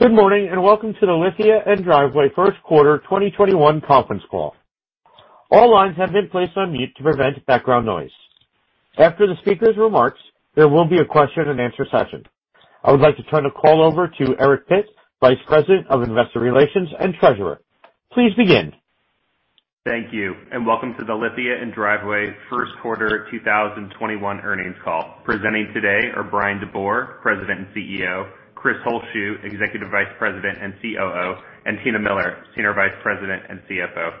Good morning, and welcome to the Lithia & Driveway first quarter 2021 conference call. All lines have been placed on mute to prevent background noise. After the speaker's remarks, there will be a question and answer session. I would like to turn the call over to Eric Pitt, Vice President of Investor Relations and Treasurer. Please begin. Thank you. Welcome to the Lithia & Driveway first quarter 2021 earnings call. Presenting today are Bryan DeBoer, President and CEO, Chris Holzshu, Executive Vice President and COO, and Tina Miller, Senior Vice President and CFO.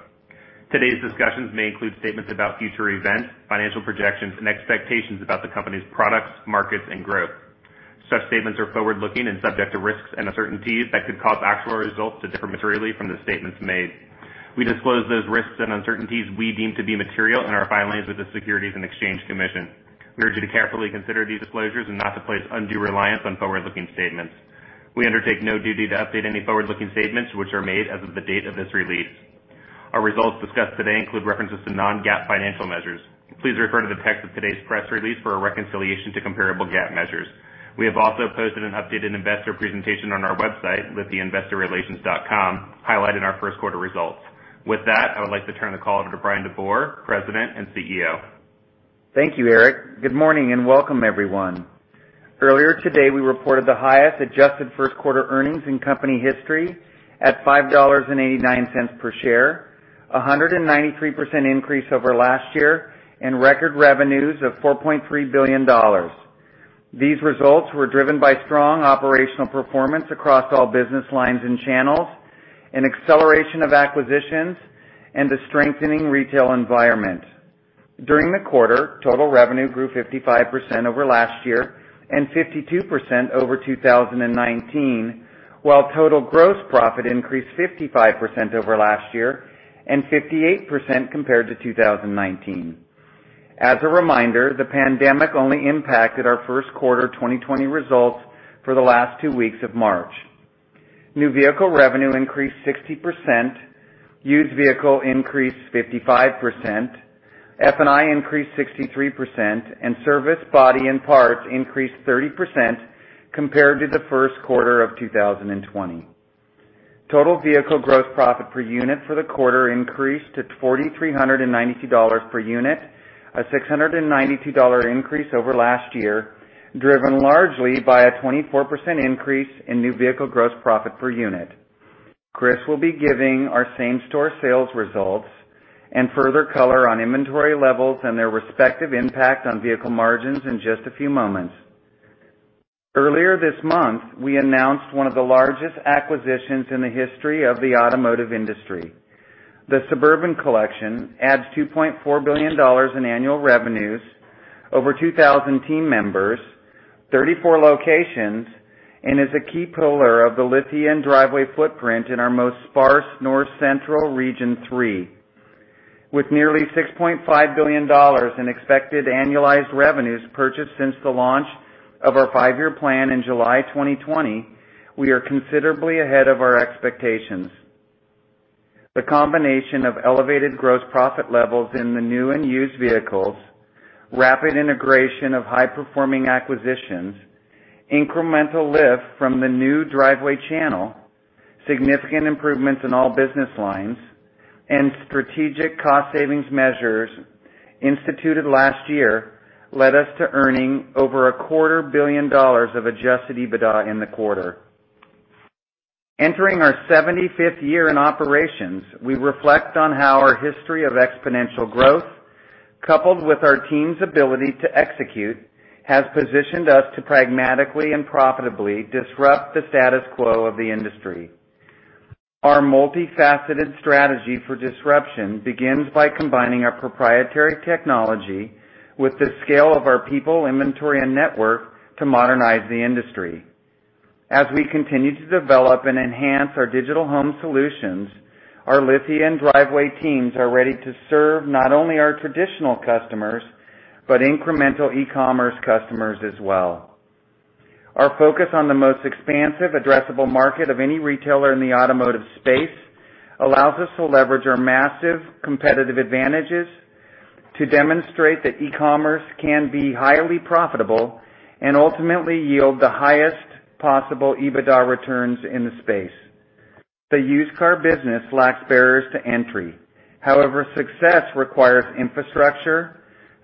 Today's discussions may include statements about future events, financial projections, and expectations about the company's products, markets, and growth. Such statements are forward-looking and subject to risks and uncertainties that could cause actual results to differ materially from the statements made. We disclose those risks and uncertainties we deem to be material in our filings with the Securities and Exchange Commission. We urge you to carefully consider these disclosures and not to place undue reliance on forward-looking statements. We undertake no duty to update any forward-looking statements which are made as of the date of this release. Our results discussed today include references to non-GAAP financial measures. Please refer to the text of today's press release for a reconciliation to comparable GAAP measures. We have also posted an updated investor presentation on our website, lithiainvestorrelations.com, highlighting our first quarter results. With that, I would like to turn the call over to Bryan DeBoer, President and Chief Executive Officer. Thank you, Eric. Good morning and welcome everyone. Earlier today, we reported the highest adjusted first quarter earnings in company history at $5.89 per share, a 193% increase over last year and record revenues of $4.3 billion. These results were driven by strong operational performance across all business lines and channels, an acceleration of acquisitions, and a strengthening retail environment. During the quarter, total revenue grew 55% over last year and 52% over 2019, while total gross profit increased 55% over last year and 58% compared to 2019. As a reminder, the pandemic only impacted our first quarter 2020 results for the last two weeks of March. New vehicle revenue increased 60%, used vehicle increased 55%, F&I increased 63%, and service, body, and parts increased 30% compared to the first quarter of 2020. Total vehicle gross profit per unit for the quarter increased to $4,392 per unit, a $692 increase over last year, driven largely by a 24% increase in new vehicle gross profit per unit. Chris will be giving our same-store sales results and further color on inventory levels and their respective impact on vehicle margins in just a few moments. Earlier this month, we announced one of the largest acquisitions in the history of the automotive industry. The Suburban Collection adds $2.4 billion in annual revenues, over 2,000 team members, 34 locations, and is a key pillar of the Lithia & Driveway footprint in our most sparse North Central Region 3. With nearly $6.5 billion in expected annualized revenues purchased since the launch of our Five-Year Plan in July 2020, we are considerably ahead of our expectations. The combination of elevated gross profit levels in the new and used vehicles, rapid integration of high-performing acquisitions, incremental lift from the new Driveway channel, significant improvements in all business lines, and strategic cost savings measures instituted last year led us to earning over a quarter billion dollars of adjusted EBITDA in the quarter. Entering our 75th year in operations, we reflect on how our history of exponential growth, coupled with our team's ability to execute, has positioned us to pragmatically and profitably disrupt the status quo of the industry. Our multifaceted strategy for disruption begins by combining our proprietary technology with the scale of our people, inventory, and network to modernize the industry. As we continue to develop and enhance our digital home solutions, our Lithia & Driveway teams are ready to serve not only our traditional customers, but incremental e-commerce customers as well. Our focus on the most expansive addressable market of any retailer in the automotive space allows us to leverage our massive competitive advantages to demonstrate that e-commerce can be highly profitable and ultimately yield the highest possible EBITDA returns in the space. The used car business lacks barriers to entry. However, success requires infrastructure,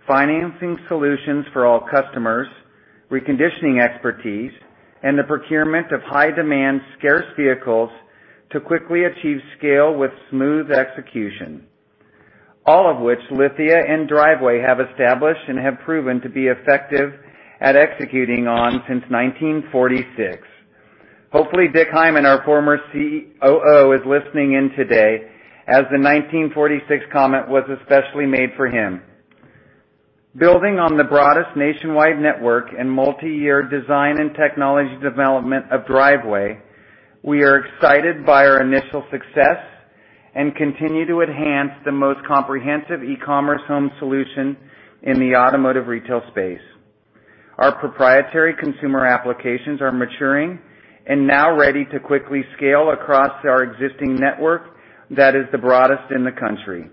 financing solutions for all customers, reconditioning expertise, and the procurement of high demand, scarce vehicles to quickly achieve scale with smooth execution, all of which Lithia & Driveway have established and have proven to be effective at executing on since 1946. Hopefully, Dick Heimann, our former COO, is listening in today as the 1946 comment was especially made for him. Building on the broadest nationwide network and multi-year design and technology development of Driveway, we are excited by our initial success and continue to enhance the most comprehensive e-commerce home solution in the automotive retail space. Our proprietary consumer applications are maturing and now ready to quickly scale across our existing network that is the broadest in the country.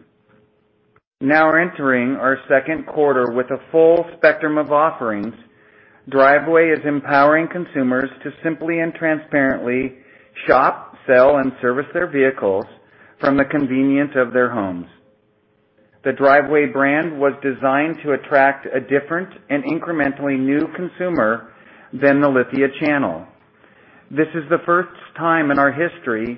Now entering our second quarter with a full spectrum of offerings, Driveway is empowering consumers to simply and transparently shop, sell, and service their vehicles from the convenience of their homes. The Driveway brand was designed to attract a different and incrementally new consumer than the Lithia channel. This is the first time in our history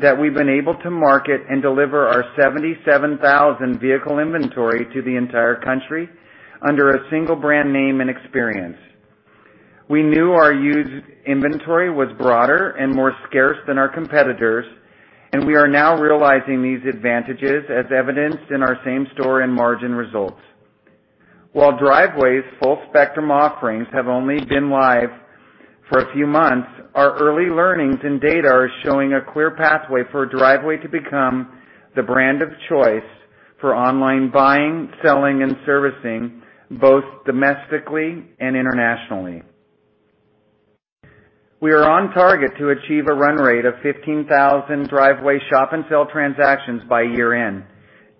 that we've been able to market and deliver our 77,000 vehicle inventory to the entire country under a single brand name and experience. We knew our used inventory was broader and more scarce than our competitors, and we are now realizing these advantages as evidenced in our same store and margin results. While Driveway's full spectrum offerings have only been live for a few months, our early learnings and data are showing a clear pathway for Driveway to become the brand of choice for online buying, selling, and servicing, both domestically and internationally. We are on target to achieve a run rate of 15,000 Driveway shop and sell transactions by year-end.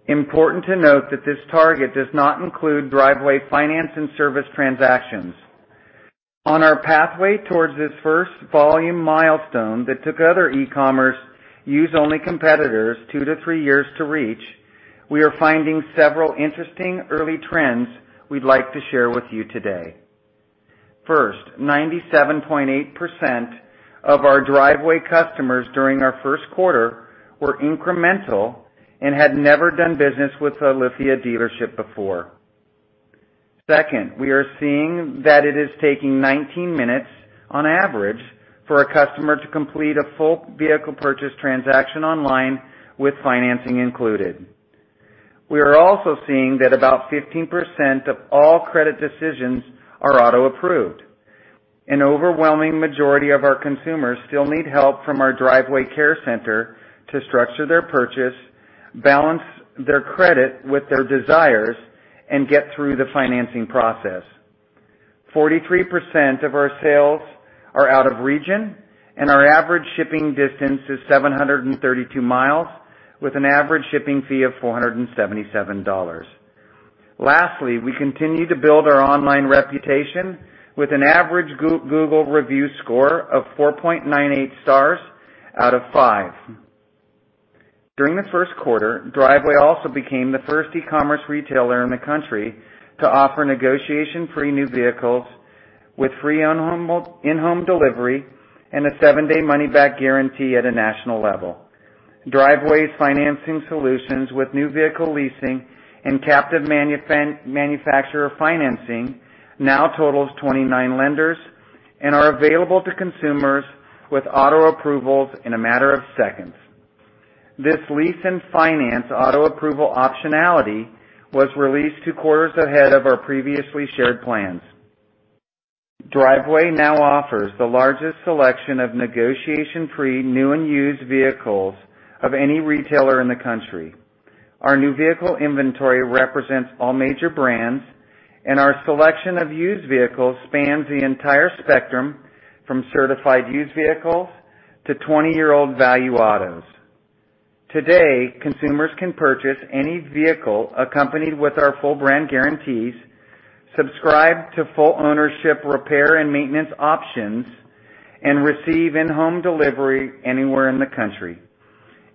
Important to note that this target does not include Driveway finance and service transactions. On our pathway towards this first volume milestone that took other e-commerce used only competitors two to three years to reach, we are finding several interesting early trends we'd like to share with you today. First, 97.8% of our Driveway customers during our first quarter were incremental and had never done business with a Lithia dealership before. Second, we are seeing that it is taking 19 minutes on average for a customer to complete a full vehicle purchase transaction online with financing included. We are also seeing that about 15% of all credit decisions are auto-approved. An overwhelming majority of our consumers still need help from our Driveway Care Center to structure their purchase, balance their credit with their desires, and get through the financing process. 43% of our sales are out of region and our average shipping distance is 732 mi with an average shipping fee of $477. Lastly, we continue to build our online reputation with an average Google review score of 4.98 stars out of five. During the first quarter, Driveway also became the first e-commerce retailer in the country to offer negotiation-free new vehicles with free in-home delivery and a seven-day money-back guarantee at a national level. Driveway's financing solutions with new vehicle leasing and captive manufacturer financing now totals 29 lenders and are available to consumers with auto approvals in a matter of seconds. This lease and finance auto-approval optionality was released two quarters ahead of our previously shared plans. Driveway now offers the largest selection of negotiation-free new and used vehicles of any retailer in the country. Our new vehicle inventory represents all major brands, and our selection of used vehicles spans the entire spectrum from certified used vehicles to 20-year-old value autos. Today, consumers can purchase any vehicle accompanied with our full brand guarantees, subscribe to full ownership repair and maintenance options, and receive in-home delivery anywhere in the country.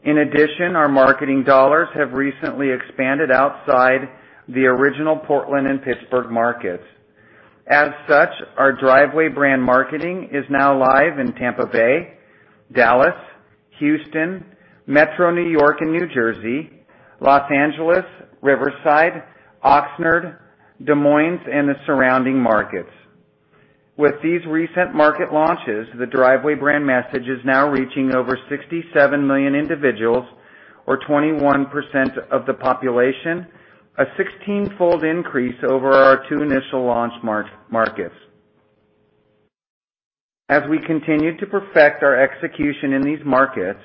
In addition, our marketing dollars have recently expanded outside the original Portland and Pittsburgh markets. Our Driveway brand marketing is now live in Tampa Bay, Dallas, Houston, Metro New York and New Jersey, Los Angeles, Riverside, Oxnard, Des Moines, and the surrounding markets. With these recent market launches, the Driveway brand message is now reaching over 67 million individuals or 21% of the population, a 16-fold increase over our two initial launch markets. As we continue to perfect our execution in these markets,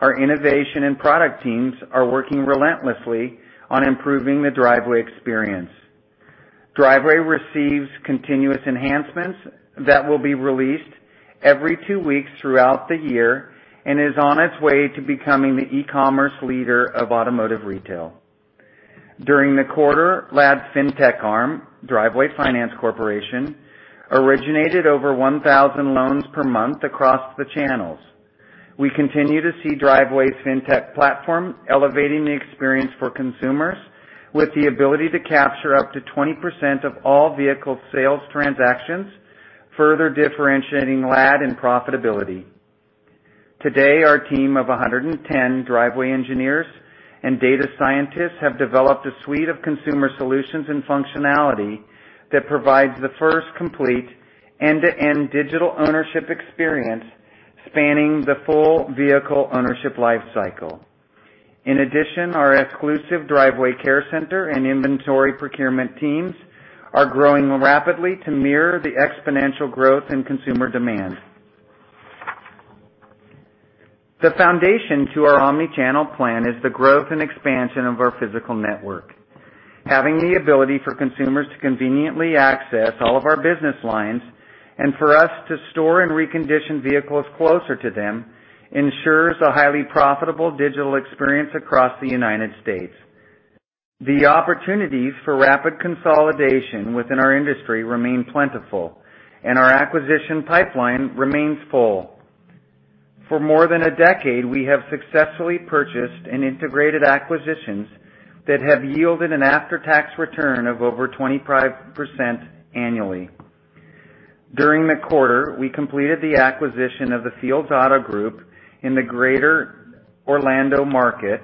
our innovation and product teams are working relentlessly on improving the Driveway experience. Driveway receives continuous enhancements that will be released every two weeks throughout the year and is on its way to becoming the e-commerce leader of automotive retail. During the quarter, LAD Fintech arm, Driveway Finance Corporation, originated over 1,000 loans per month across the channels. We continue to see Driveway Fintech platform elevating the experience for consumers with the ability to capture up to 20% of all vehicle sales transactions, further differentiating LAD in profitability. Today, our team of 110 Driveway engineers and data scientists have developed a suite of consumer solutions and functionality that provides the first complete end-to-end digital ownership experience spanning the full vehicle ownership lifecycle. In addition, our exclusive Driveway Care Center and inventory procurement teams are growing rapidly to mirror the exponential growth in consumer demand. The foundation to our omni-channel plan is the growth and expansion of our physical network. Having the ability for consumers to conveniently access all of our business lines and for us to store and recondition vehicles closer to them ensures a highly profitable digital experience across the United States. The opportunities for rapid consolidation within our industry remain plentiful, and our acquisition pipeline remains full. For more than a decade, we have successfully purchased and integrated acquisitions that have yielded an after-tax return of over 25% annually. During the quarter, we completed the acquisition of the Fields Auto Group in the Greater Orlando market,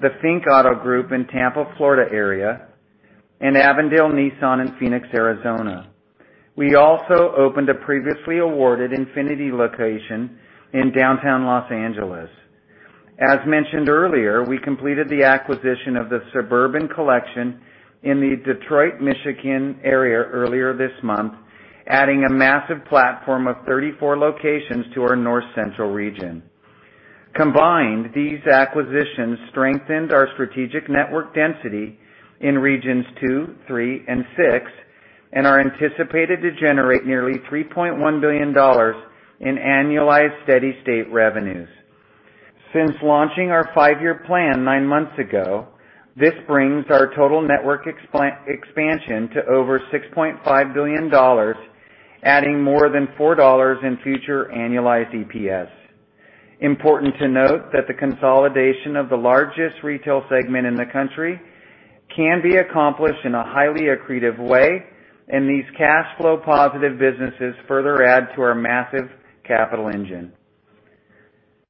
the Fink Auto Group in Tampa, Florida, area, and Avondale Nissan in Phoenix, Arizona. We also opened a previously awarded Infiniti location in downtown Los Angeles. As mentioned earlier, we completed the acquisition of The Suburban Collection in the Detroit, Michigan, area earlier this month, adding a massive platform of 34 locations to our North Central region. Combined, these acquisitions strengthened our strategic network density in regions 2, 3, and 6, and are anticipated to generate nearly $3.1 billion in annualized steady-state revenues. Since launching our Five-Year Plan nine months ago, this brings our total network expansion to over $6.5 billion, adding more than $4 in future annualized EPS. Important to note that the consolidation of the largest retail segment in the country can be accomplished in a highly accretive way, and these cash flow positive businesses further add to our massive capital engine.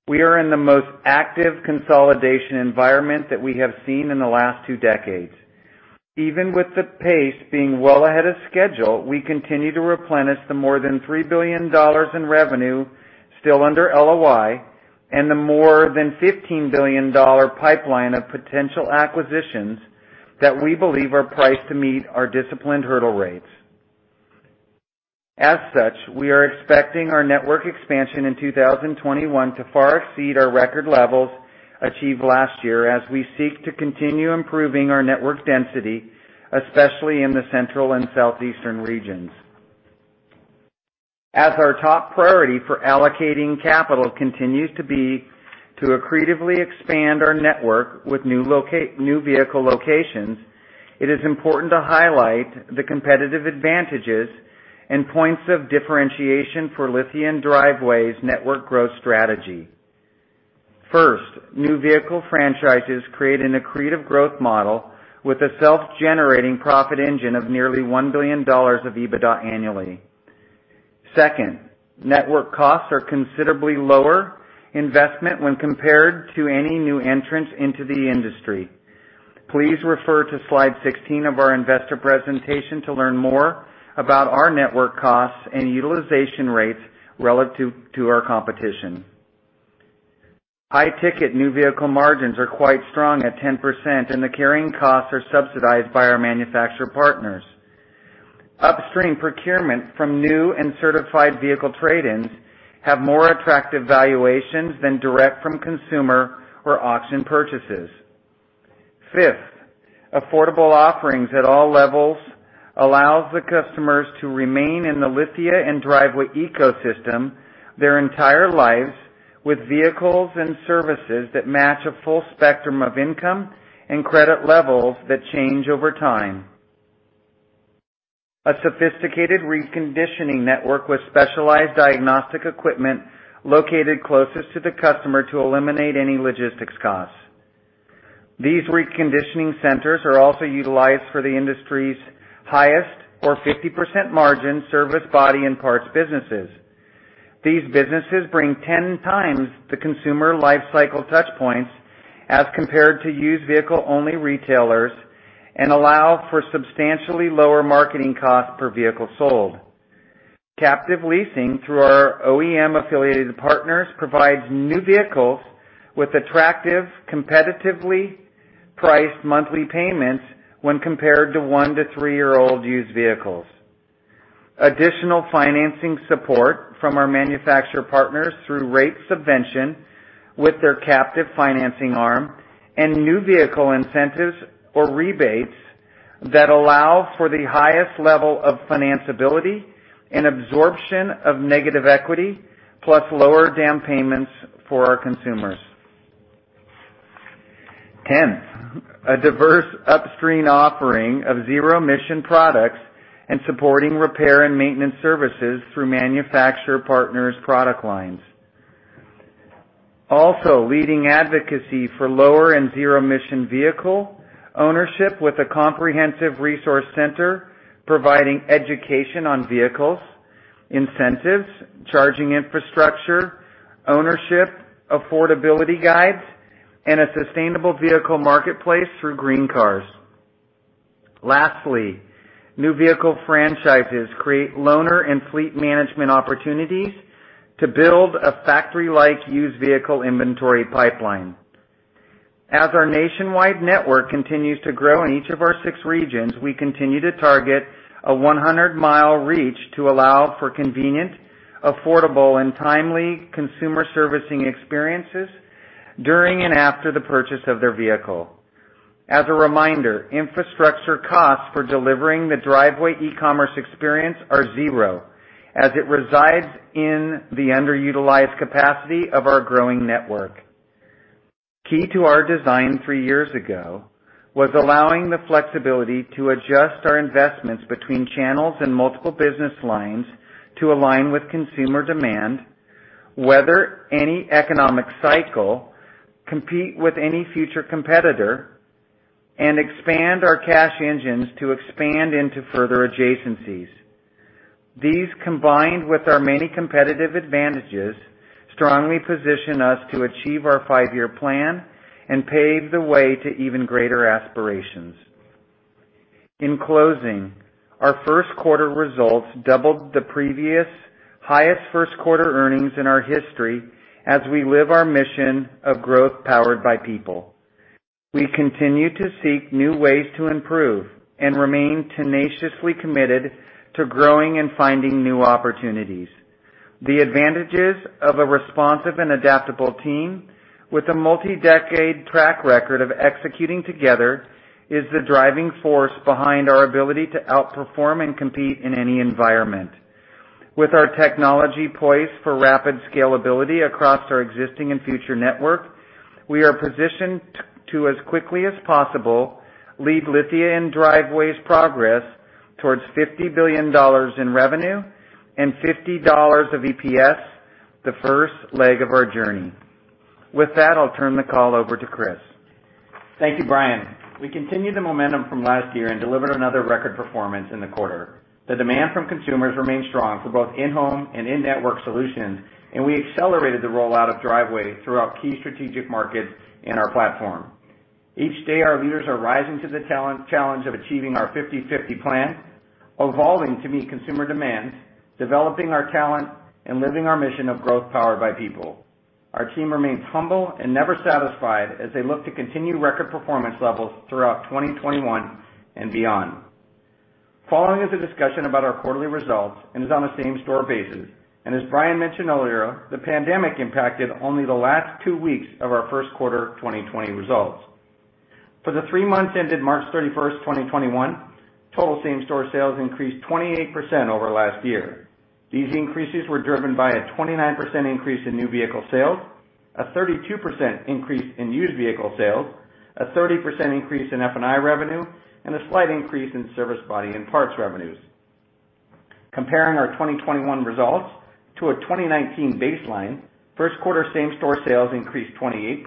We are in the most active consolidation environment that we have seen in the last two decades. Even with the pace being well ahead of schedule, we continue to replenish the more than $3 billion in revenue still under LOI and the more than $15 billion pipeline of potential acquisitions that we believe are priced to meet our disciplined hurdle rates. As such, we are expecting our network expansion in 2021 to far exceed our record levels achieved last year as we seek to continue improving our network density, especially in the Central and Southeastern regions. As our top priority for allocating capital continues to be to accretively expand our network with new vehicle locations, it is important to highlight the competitive advantages and points of differentiation for Lithia & Driveway's network growth strategy. First, new vehicle franchises create an accretive growth model with a self-generating profit engine of nearly $1 billion of EBITDA annually. Second, network costs are considerably lower investment when compared to any new entrants into the industry. Please refer to slide 16 of our investor presentation to learn more about our network costs and utilization rates relative to our competition. High-ticket new vehicle margins are quite strong at 10%, and the carrying costs are subsidized by our manufacturer partners. Upstream procurement from new and certified vehicle trade-ins have more attractive valuations than direct-from-consumer or auction purchases. Fifth, affordable offerings at all levels allows the customers to remain in the Lithia & Driveway ecosystem their entire lives with vehicles and services that match a full spectrum of income and credit levels that change over time. A sophisticated reconditioning network with specialized diagnostic equipment located closest to the customer to eliminate any logistics costs. These reconditioning centers are also utilized for the industry's highest or 50% margin service body and parts businesses. These businesses bring 10 times the consumer lifecycle touch points as compared to used vehicle-only retailers and allow for substantially lower marketing costs per vehicle sold. Captive leasing through our OEM-affiliated partners provides new vehicles with attractive, competitively priced monthly payments when compared to 1 to 3-year-old used vehicles. Additional financing support from our manufacturer partners through rate subvention with their captive financing arm and new vehicle incentives or rebates that allow for the highest level of financability and absorption of negative equity, plus lower down payments for our consumers. Tenth, a diverse upstream offering of zero-emission products and supporting repair and maintenance services through manufacturer partners' product lines. Also, leading advocacy for lower and zero-emission vehicle ownership with a comprehensive resource center providing education on vehicles, incentives, charging infrastructure, ownership, affordability guides, and a sustainable vehicle marketplace through GreenCars. Lastly, new vehicle franchises create loaner and fleet management opportunities to build a factory-like used vehicle inventory pipeline. As our nationwide network continues to grow in each of our six regions, we continue to target a 100-mile reach to allow for convenient, affordable, and timely consumer servicing experiences during and after the purchase of their vehicle. As a reminder, infrastructure costs for delivering the Driveway e-commerce experience are zero, as it resides in the underutilized capacity of our growing network. Key to our design three years ago was allowing the flexibility to adjust our investments between channels and multiple business lines to align with consumer demand, weather any economic cycle, compete with any future competitor, and expand our cash engines to expand into further adjacencies. These, combined with our many competitive advantages, strongly position us to achieve our Five-Year Plan and pave the way to even greater aspirations. In closing, our first quarter results doubled the previous highest first quarter earnings in our history as we live our mission of growth powered by people. We continue to seek new ways to improve and remain tenaciously committed to growing and finding new opportunities. The advantages of a responsive and adaptable team with a multi-decade track record of executing together is the driving force behind our ability to outperform and compete in any environment. With our technology poised for rapid scalability across our existing and future network, we are positioned to, as quickly as possible, lead Lithia & Driveway's progress towards $50 billion in revenue and $50 of EPS, the first leg of our journey. With that, I'll turn the call over to Chris. Thank you, Bryan. We continued the momentum from last year and delivered another record performance in the quarter. The demand from consumers remained strong for both in-home and in-network solutions, and we accelerated the rollout of Driveway throughout key strategic markets in our platform. Each day, our leaders are rising to the talent challenge of achieving our 50/50 plan, evolving to meet consumer demands, developing our talent, and living our mission of growth powered by people. Our team remains humble and never satisfied as they look to continue record performance levels throughout 2021 and beyond. Following is a discussion about our quarterly results and is on a same-store basis. As Bryan mentioned earlier, the pandemic impacted only the last 2 weeks of our first quarter 2020 results. For the three months ended March 31st, 2021, total same-store sales increased 28% over last year. These increases were driven by a 29% increase in new vehicle sales, a 32% increase in used vehicle sales, a 30% increase in F&I revenue, and a slight increase in service body and parts revenues. Comparing our 2021 results to a 2019 baseline, first quarter same-store sales increased 28%,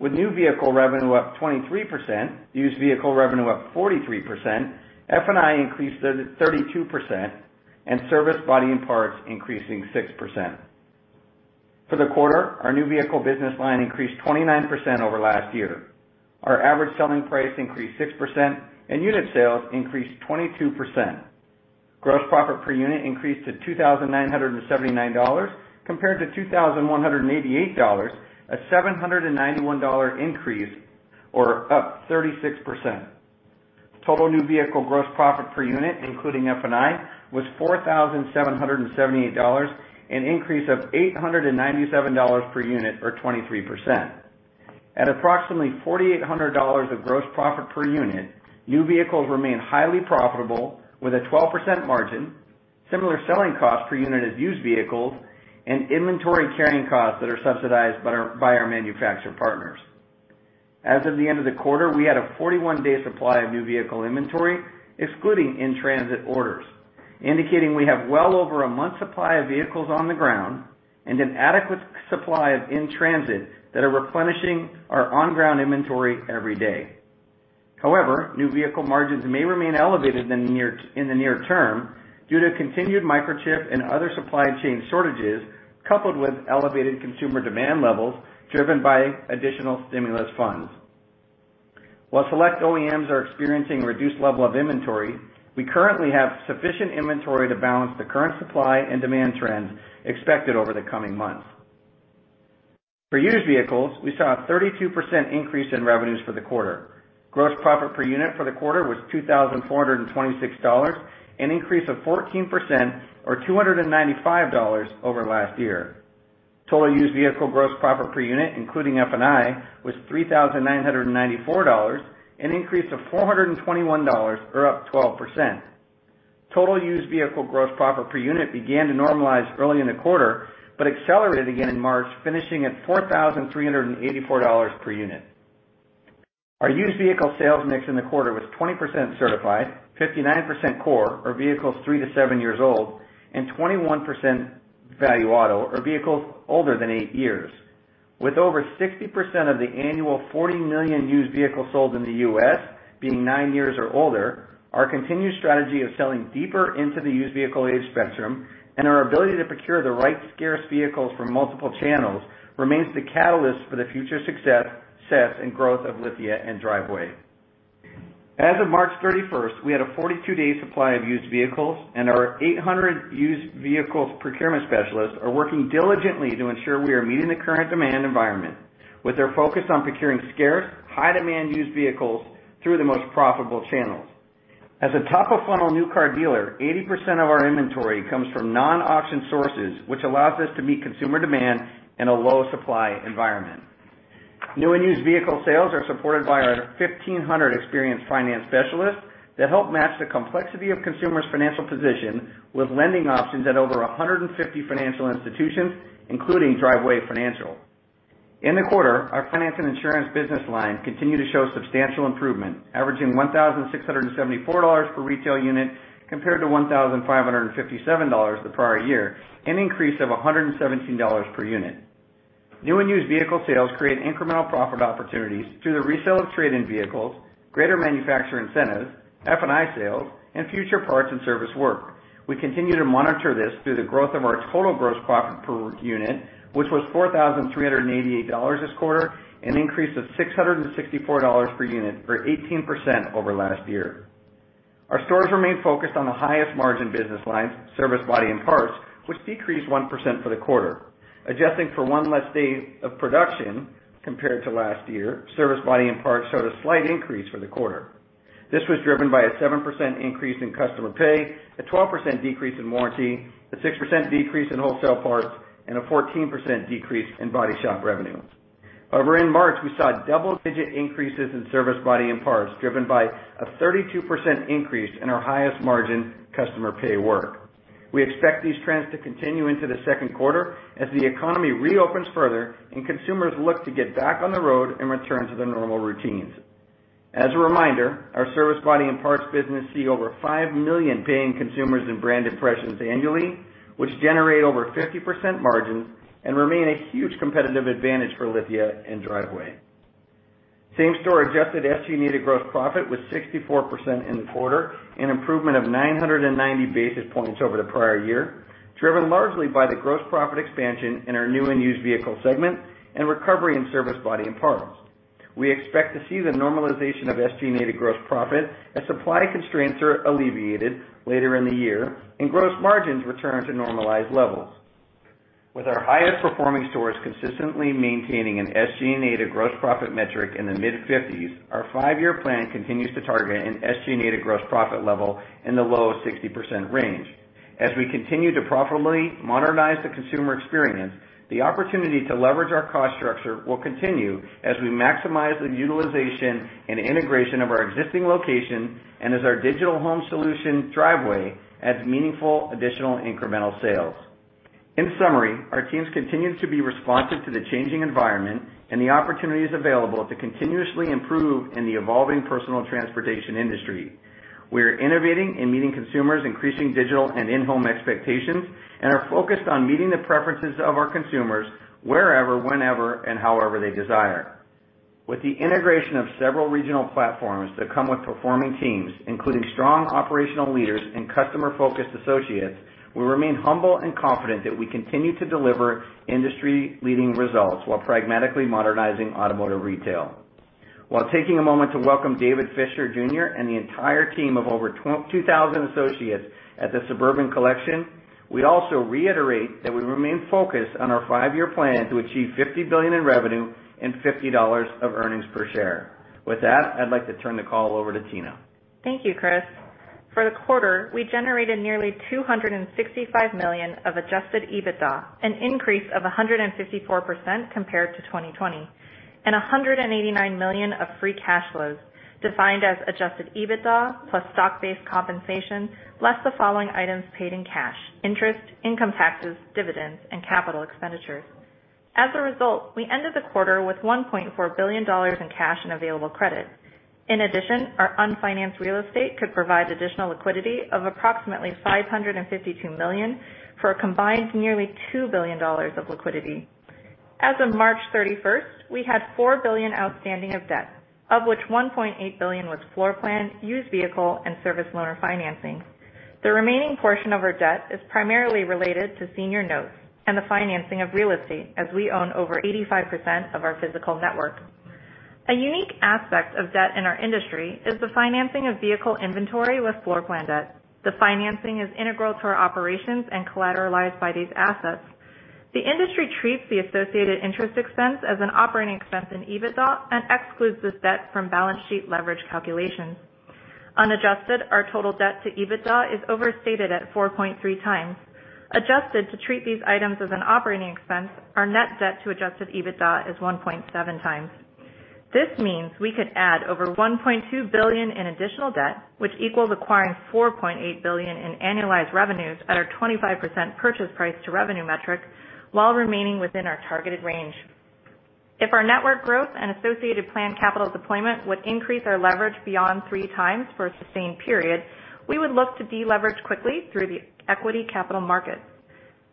with new vehicle revenue up 23%, used vehicle revenue up 43%, F&I increased 32%, and service body and parts increasing 6%. For the quarter, our new vehicle business line increased 29% over last year. Our average selling price increased 6%, and unit sales increased 22%. Gross profit per unit increased to $2,979 compared to $2,188, a $791 increase or up 36%. Total new vehicle gross profit per unit, including F&I, was $4,778, an increase of $897 per unit or 23%. At approximately $4,800 of gross profit per unit, new vehicles remain highly profitable with a 12% margin, similar selling cost per unit as used vehicles, and inventory carrying costs that are subsidized by our manufacturer partners. As of the end of the quarter, we had a 41-day supply of new vehicle inventory, excluding in-transit orders, indicating we have well over a one month's supply of vehicles on the ground and an adequate supply of in-transit that are replenishing our on-ground inventory every day. However, new vehicle margins may remain elevated in the near term due to continued microchip and other supply chain shortages, coupled with elevated consumer demand levels driven by additional stimulus funds. While select OEMs are experiencing reduced level of inventory, we currently have sufficient inventory to balance the current supply and demand trends expected over the coming months. For used vehicles, we saw a 32% increase in revenues for the quarter. Gross profit per unit for the quarter was $2,426, an increase of 14% or $295 over last year. Total used vehicle gross profit per unit, including F&I, was $3,994, an increase of $421 or up 12%. Total used vehicle gross profit per unit began to normalize early in the quarter, but accelerated again in March, finishing at $4,384 per unit. Our used vehicle sales mix in the quarter was 20% certified, 59% core, or vehicles three to seven years old, and 21% value auto, or vehicles older than eight years. With over 60% of the annual 40 million used vehicles sold in the U.S. being nine years or older, our continued strategy of selling deeper into the used vehicle age spectrum and our ability to procure the right scarce vehicles from multiple channels remains the catalyst for the future success and growth of Lithia & Driveway. As of March 31st, we had a 42-day supply of used vehicles, and our 800 used vehicles procurement specialists are working diligently to ensure we are meeting the current demand environment, with their focus on procuring scarce, high-demand used vehicles through the most profitable channels. As a top-of-funnel new car dealer, 80% of our inventory comes from non-auction sources, which allows us to meet consumer demand in a low supply environment. New and used vehicle sales are supported by our 1,500 experienced finance specialists that help match the complexity of consumers' financial position with lending options at over 150 financial institutions, including Driveway Finance Corp. In the quarter, our finance and insurance business lines continued to show substantial improvement, averaging $1,674 per retail unit compared to $1,557 the prior year, an increase of $117 per unit. New and used vehicle sales create incremental profit opportunities through the resale of trade-in vehicles, greater manufacturer incentives, F&I sales, and future parts and service work. We continue to monitor this through the growth of our total gross profit per unit, which was $4,388 this quarter, an increase of $664 per unit or 18% over last year. Our stores remain focused on the highest margin business lines, service, body, and parts, which decreased 1% for the quarter. Adjusting for one less day of production compared to last year, service, body, and parts showed a slight increase for the quarter. This was driven by a 7% increase in customer pay, a 12% decrease in warranty, a 6% decrease in wholesale parts, and a 14% decrease in body shop revenue. However, in March, we saw double-digit increases in service, body, and parts, driven by a 32% increase in our highest margin customer pay work. We expect these trends to continue into the second quarter as the economy reopens further and consumers look to get back on the road and return to their normal routines. As a reminder, our service, body, and parts business see over five million paying consumers and brand impressions annually, which generate over 50% margins and remain a huge competitive advantage for Lithia & Driveway. Same store adjusted SG&A gross profit was 64% in the quarter, an improvement of 990 basis points over the prior year, driven largely by the gross profit expansion in our new and used vehicle segment and recovery in service, body, and parts. We expect to see the normalization of SG&A gross profit as supply constraints are alleviated later in the year and gross margins return to normalized levels. With our highest performing stores consistently maintaining an SG&A gross profit metric in the mid-50s, our Five-Year Plan continues to target an SG&A gross profit level in the low 60% range. As we continue to properly modernize the consumer experience, the opportunity to leverage our cost structure will continue as we maximize the utilization and integration of our existing location and as our digital home solution Driveway adds meaningful additional incremental sales. In summary, our teams continue to be responsive to the changing environment and the opportunities available to continuously improve in the evolving personal transportation industry. We are innovating and meeting consumers' increasing digital and in-home expectations and are focused on meeting the preferences of our consumers wherever, whenever, and however they desire. With the integration of several regional platforms that come with performing teams, including strong operational leaders and customer-focused associates, we remain humble and confident that we continue to deliver industry-leading results while pragmatically modernizing automotive retail. While taking a moment to welcome David Fischer Jr. and the entire team of over 2,000 associates at The Suburban Collection, we also reiterate that we remain focused on our Five-Year Plan to achieve $50 billion in revenue and $50 of earnings per share. With that, I'd like to turn the call over to Tina. Thank you, Chris. For the quarter, we generated nearly $265 million of adjusted EBITDA, an increase of 154% compared to 2020, and $189 million of free cash flows, defined as adjusted EBITDA plus stock-based compensation, less the following items paid in cash: interest, income taxes, dividends, and capital expenditures. As a result, we ended the quarter with $1.4 billion in cash and available credit. In addition, our unfinanced real estate could provide additional liquidity of approximately $552 million for a combined nearly $2 billion of liquidity. As of March 31st, we had $4 billion outstanding of debt, of which $1.8 billion was floor plan, used vehicle, and service loaner financing. The remaining portion of our debt is primarily related to senior notes and the financing of real estate, as we own over 85% of our physical network. A unique aspect of debt in our industry is the financing of vehicle inventory with floor plan debt. The financing is integral to our operations and collateralized by these assets. The industry treats the associated interest expense as an operating expense in EBITDA and excludes this debt from balance sheet leverage calculations. Unadjusted, our total debt to EBITDA is overstated at 4.3 times. Adjusted to treat these items as an operating expense, our net debt to adjusted EBITDA is 1.7 times. This means we could add over $1.2 billion in additional debt, which equals acquiring $4.8 billion in annualized revenues at our 25% purchase price to revenue metric while remaining within our targeted range. If our network growth and associated planned capital deployment would increase our leverage beyond 3 times for a sustained period, we would look to deleverage quickly through the equity capital markets.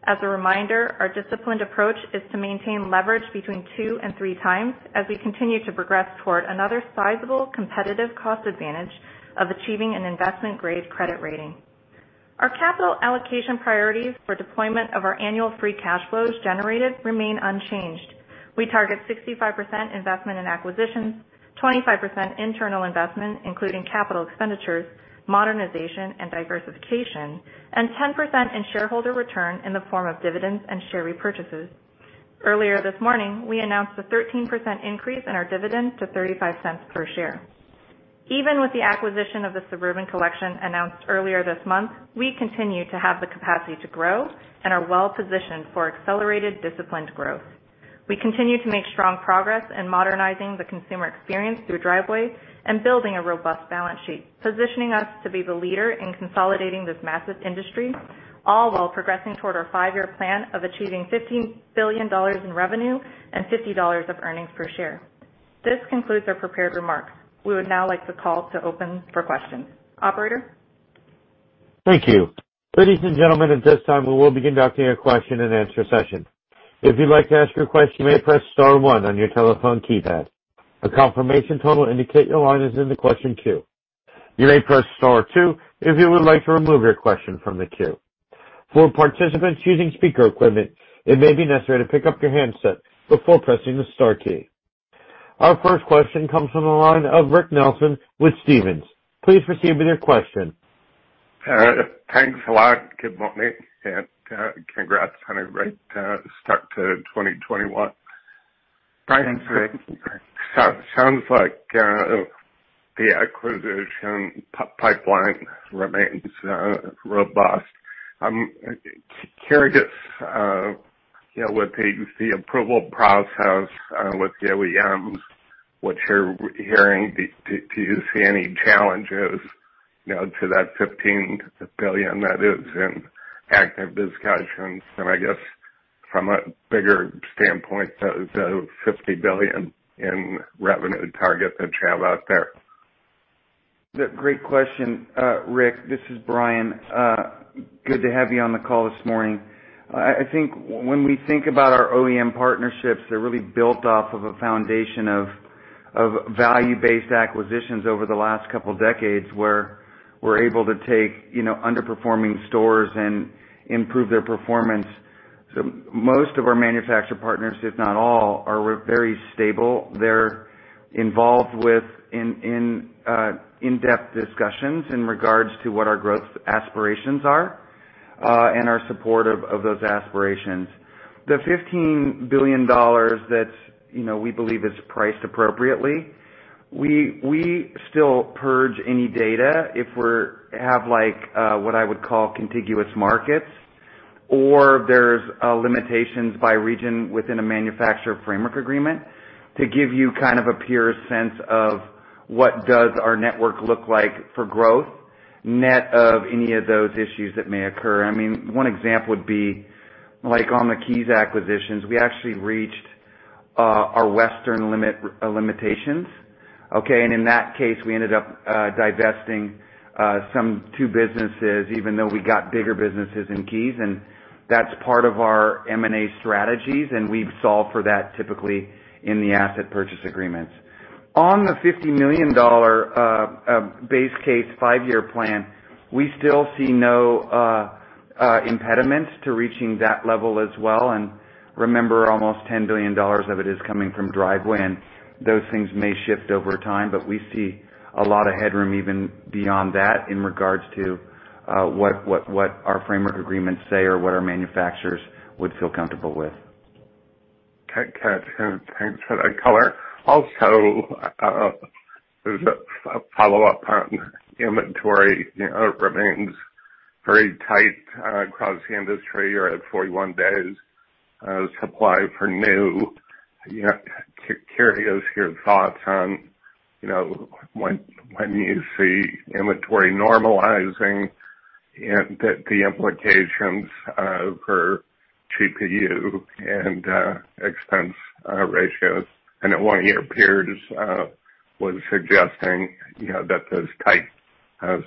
As a reminder, our disciplined approach is to maintain leverage between two and three times as we continue to progress toward another sizable competitive cost advantage of achieving an investment-grade credit rating. Our capital allocation priorities for deployment of our annual free cash flows generated remain unchanged. We target 65% investment in acquisitions, 25% internal investment, including capital expenditures, modernization, and diversification, and 10% in shareholder return in the form of dividends and share repurchases. Earlier this morning, we announced a 13% increase in our dividend to $0.35 per share. Even with the acquisition of The Suburban Collection announced earlier this month, we continue to have the capacity to grow and are well positioned for accelerated, disciplined growth. We continue to make strong progress in modernizing the consumer experience through Driveway and building a robust balance sheet, positioning us to be the leader in consolidating this massive industry, all while progressing toward our Five-Year Plan of achieving $15 billion in revenue and $50 of earnings per share. This concludes our prepared remarks. We would now like the call to open for questions. Operator? Our first question comes from the line of Rick Nelson with Stephens. Please proceed with your question. Thanks a lot. Good morning, congrats on a great start to 2021. Thanks, Rick. Sounds like the acquisition pipeline remains robust. I'm curious, you know, with the approval process with the OEMs, what you're hearing, do you see any challenges, you know, to that $15 billion that is in active discussions? I guess from a bigger standpoint, the $50 billion in revenue target that you have out there. Great question, Rick. This is Bryan. Good to have you on the call this morning. I think when we think about our OEM partnerships, they're really built off of a foundation of value-based acquisitions over the last couple decades, where we're able to take, you know, underperforming stores and improve their performance. Most of our manufacturer partners, if not all, are very stable. They're involved with in-depth discussions in regards to what our growth aspirations are and are supportive of those aspirations. The $15 billion that, you know, we believe is priced appropriately, we still purge any data if we have like what I would call contiguous markets or there's limitations by region within a manufacturer framework agreement to give you kind of a pure sense of what does our network look like for growth, net of any of those issues that may occur. I mean, one example would be like on the Keyes acquisitions, we actually reached our western limit, limitations. In that case, we ended up divesting some two businesses, even though we got bigger businesses in Keyes. That's part of our M&A strategies, and we've solved for that typically in the asset purchase agreements. On the $50 million base case Five-Year Plan, we still see no impediment to reaching that level as well. Remember, almost $10 billion of it is coming from Driveway, and those things may shift over time. We see a lot of headroom even beyond that in regards to what our framework agreements say or what our manufacturers would feel comfortable with. Okay. Gotcha. Thanks for that color. Also, as a follow-up on inventory, you know, remains very tight across the industry. You're at 41 days supply for new. You know, curious your thoughts on, you know, when you see inventory normalizing and the implications for GPU and expense ratios. As one of your peers, you know, that those tight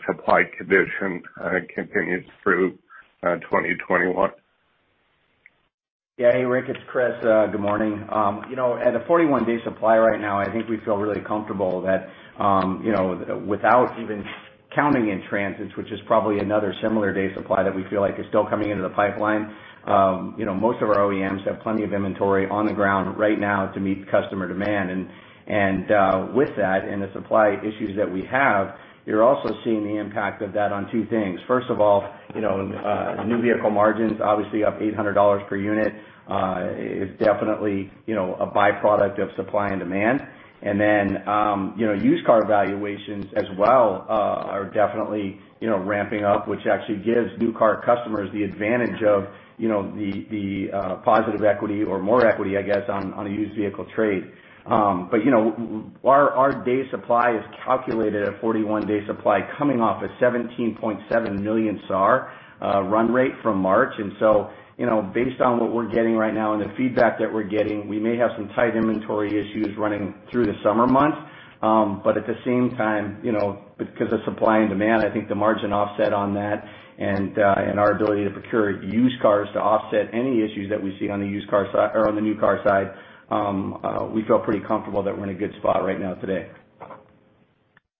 supply conditions continues through 2021. Yeah. Hey, Rick, it's Chris. Good morning. You know, at a 41-day supply right now, I think we feel really comfortable that, you know, without even counting in transits, which is probably another similar day supply that we feel like is still coming into the pipeline, you know, most of our OEMs have plenty of inventory on the ground right now to meet customer demand. With that and the supply issues that we have, you're also seeing the impact of that on two things. First of all, you know, new vehicle margins obviously up $800 per unit, is definitely, you know, a byproduct of supply and demand. used car valuations as well, are definitely ramping up, which actually gives new car customers the advantage of the positive equity or more equity on a used vehicle trade. But our day supply is calculated at 41 day supply coming off a 17.7 million SAAR run rate from March. Based on what we're getting right now and the feedback that we're getting, we may have some tight inventory issues running through the summer months. At the same time, you know, because of supply and demand, I think the margin offset on that and our ability to procure used cars to offset any issues that we see on the used car side or on the new car side, we feel pretty comfortable that we're in a good spot right now today.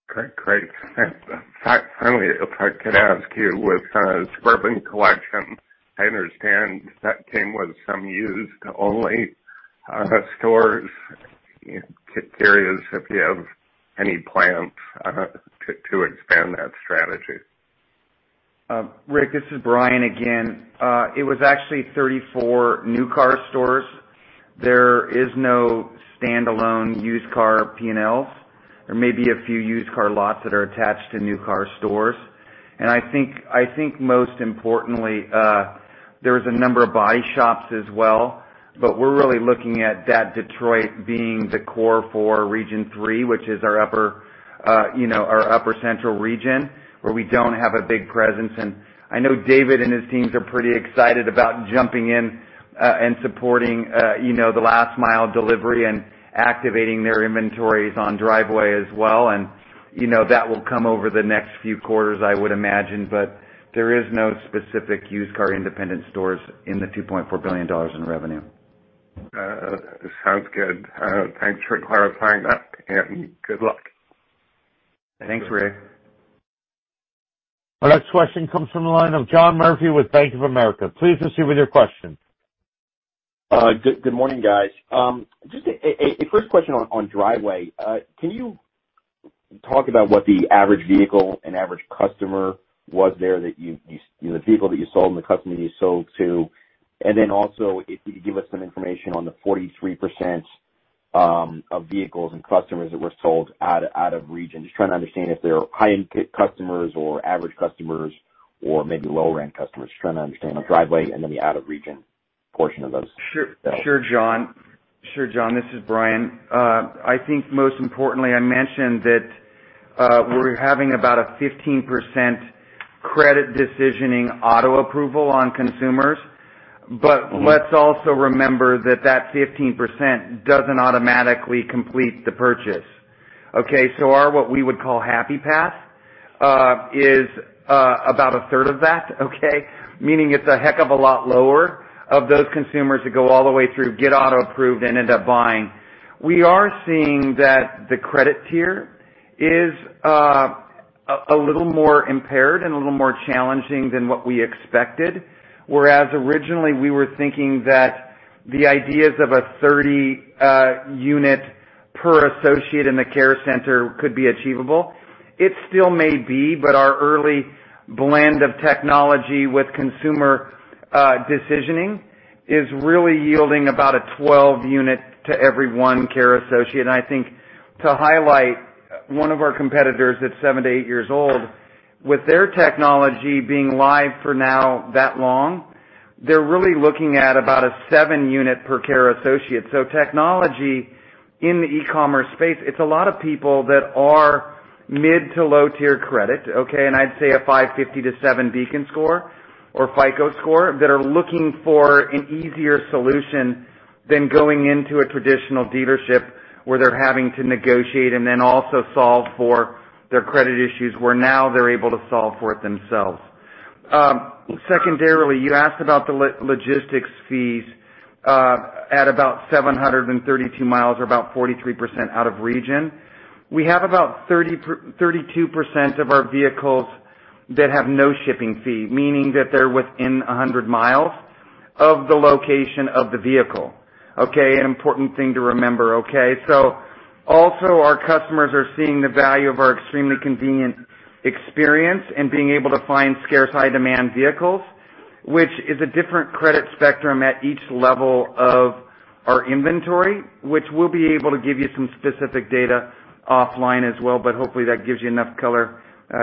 Great. Great. Thanks. Finally, if I could ask you, with Suburban Collection, I understand that came with some used-only stores. Curious if you have any plans to expand that strategy. Rick, this is Bryan again. It was actually 34 new car stores. There is no standalone used car P&Ls. There may be a few used car lots that are attached to new car stores. I think most importantly, there is a number of body shops as well, but we're really looking at that Detroit being the core for Region 3, which is our upper, you know, our upper central region, where we don't have a big presence. I know David and his teams are pretty excited about jumping in and supporting, you know, the last mile delivery and activating their inventories on Driveway as well. You know, that will come over the next few quarters, I would imagine. There is no specific used car independent stores in the $2.4 billion in revenue. Sounds good. Thanks for clarifying that. Good luck. Thanks, Rick. Our next question comes from the line of John Murphy with Bank of America. Please proceed with your question. Good morning, guys. Just a first question on Driveway. Can you talk about what the average vehicle and average customer was there that you The vehicle that you sold and the customer you sold to? Also if you could give us some information on the 43% of vehicles and customers that were sold out of region. Just trying to understand if they're high-end customers or average customers or maybe lower-end customers. Just trying to understand on Driveway and the out-of-region portion of those. Sure, John. This is Bryan. I think most importantly, I mentioned that we're having about a 15% credit decisioning auto approval on consumers. Let's also remember that that 15% doesn't automatically complete the purchase, okay? Our, what we would call Happy Path, is about a third of that, okay? Meaning it's a heck of a lot lower of those consumers that go all the way through, get auto approved and end up buying. We are seeing that the credit tier is a little more impaired and a little more challenging than what we expected. Originally we were thinking that the ideas of a 30 unit per associate in the Driveway Care Center could be achievable. It still may be, but our early blend of technology with consumer, decisioning is really yielding about a 12 unit to every one care associate. I think to highlight one of our competitors that's seven to eight years old, with their technology being live for now that long, they're really looking at about a seven unit per care associate. Technology in the e-commerce space, it's a lot of people that are mid to low tier credit, okay? I'd say a 550 to 7 Beacon score or FICO score that are looking for an easier solution than going into a traditional dealership where they're having to negotiate and then also solve for their credit issues, where now they're able to solve for it themselves. Secondarily, you asked about the logistics fees, at about 732 mi or about 43% out of region. We have about 32% of our vehicles that have no shipping fee, meaning that they're within 100 mi of the location of the vehicle, okay. An important thing to remember, okay. Also our customers are seeing the value of our extremely convenient experience and being able to find scarce high demand vehicles, which is a different credit spectrum at each level of our inventory, which we'll be able to give you some specific data offline as well, but hopefully that gives you enough color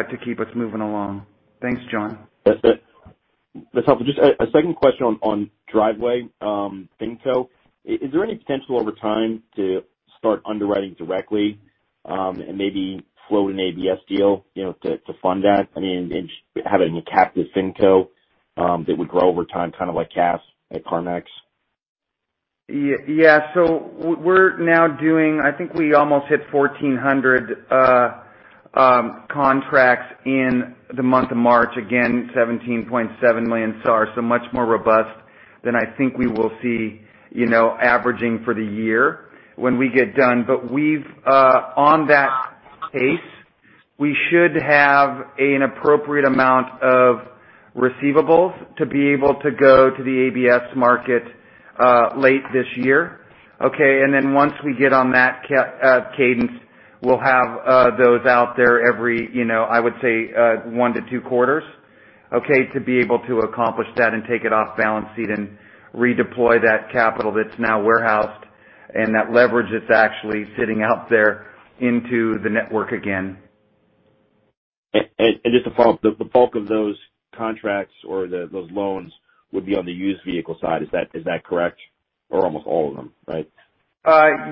to keep us moving along. Thanks, John. That's helpful. Just a second question on Driveway FinCo, is there any potential over time to start underwriting directly and maybe float an ABS deal, you know, to fund that? I mean, and have a captive FinCo that would grow over time, kind of like CAF at CarMax? We're now doing I think we almost hit 1,400 contracts in the month of March, again, 17.7 million SAR, much more robust than I think we will see, you know, averaging for the year when we get done. We've on that pace, we should have an appropriate amount of receivables to be able to go to the ABS market late this year. Once we get on that cadence, we'll have those out there every, you know, I would say, one to two quarters. To be able to accomplish that and take it off balance sheet and redeploy that capital that's now warehoused and that leverage that's actually sitting out there into the network again. Just to follow up, the bulk of those contracts or those loans would be on the used vehicle side. Is that correct? Almost all of them, right?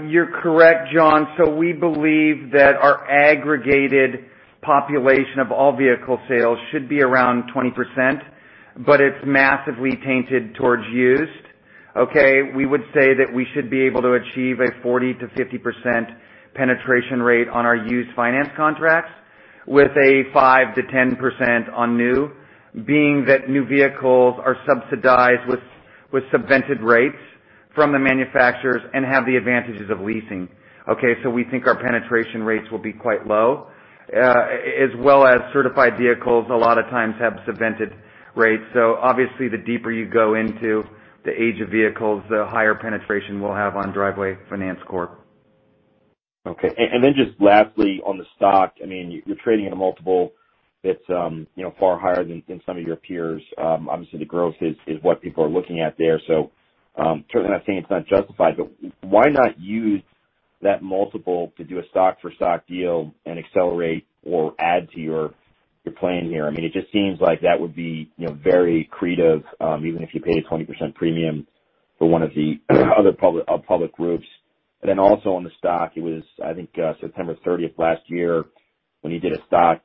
You're correct, John. We believe that our aggregated population of all vehicle sales should be around 20%, but it's massively tainted towards used. We would say that we should be able to achieve a 40%-50% penetration rate on our used finance contracts with a 5%-10% on new, being that new vehicles are subsidized with subvented rates from the manufacturers and have the advantages of leasing. We think our penetration rates will be quite low, as well as certified vehicles a lot of times have subvented rates. Obviously the deeper you go into the age of vehicles, the higher penetration we'll have on Driveway Finance Corp. Okay. Then just lastly on the stock, I mean, you're trading at a multiple that's, you know, far higher than some of your peers. Obviously the growth is what people are looking at there. Certainly not saying it's not justified, but why not use that multiple to do a stock for stock deal and accelerate or add to your plan here? I mean, it just seems like that would be, you know, very accretive, even if you paid a 20% premium for one of the other public groups. Then also on the stock, it was I think, September 30th last year when you did a stock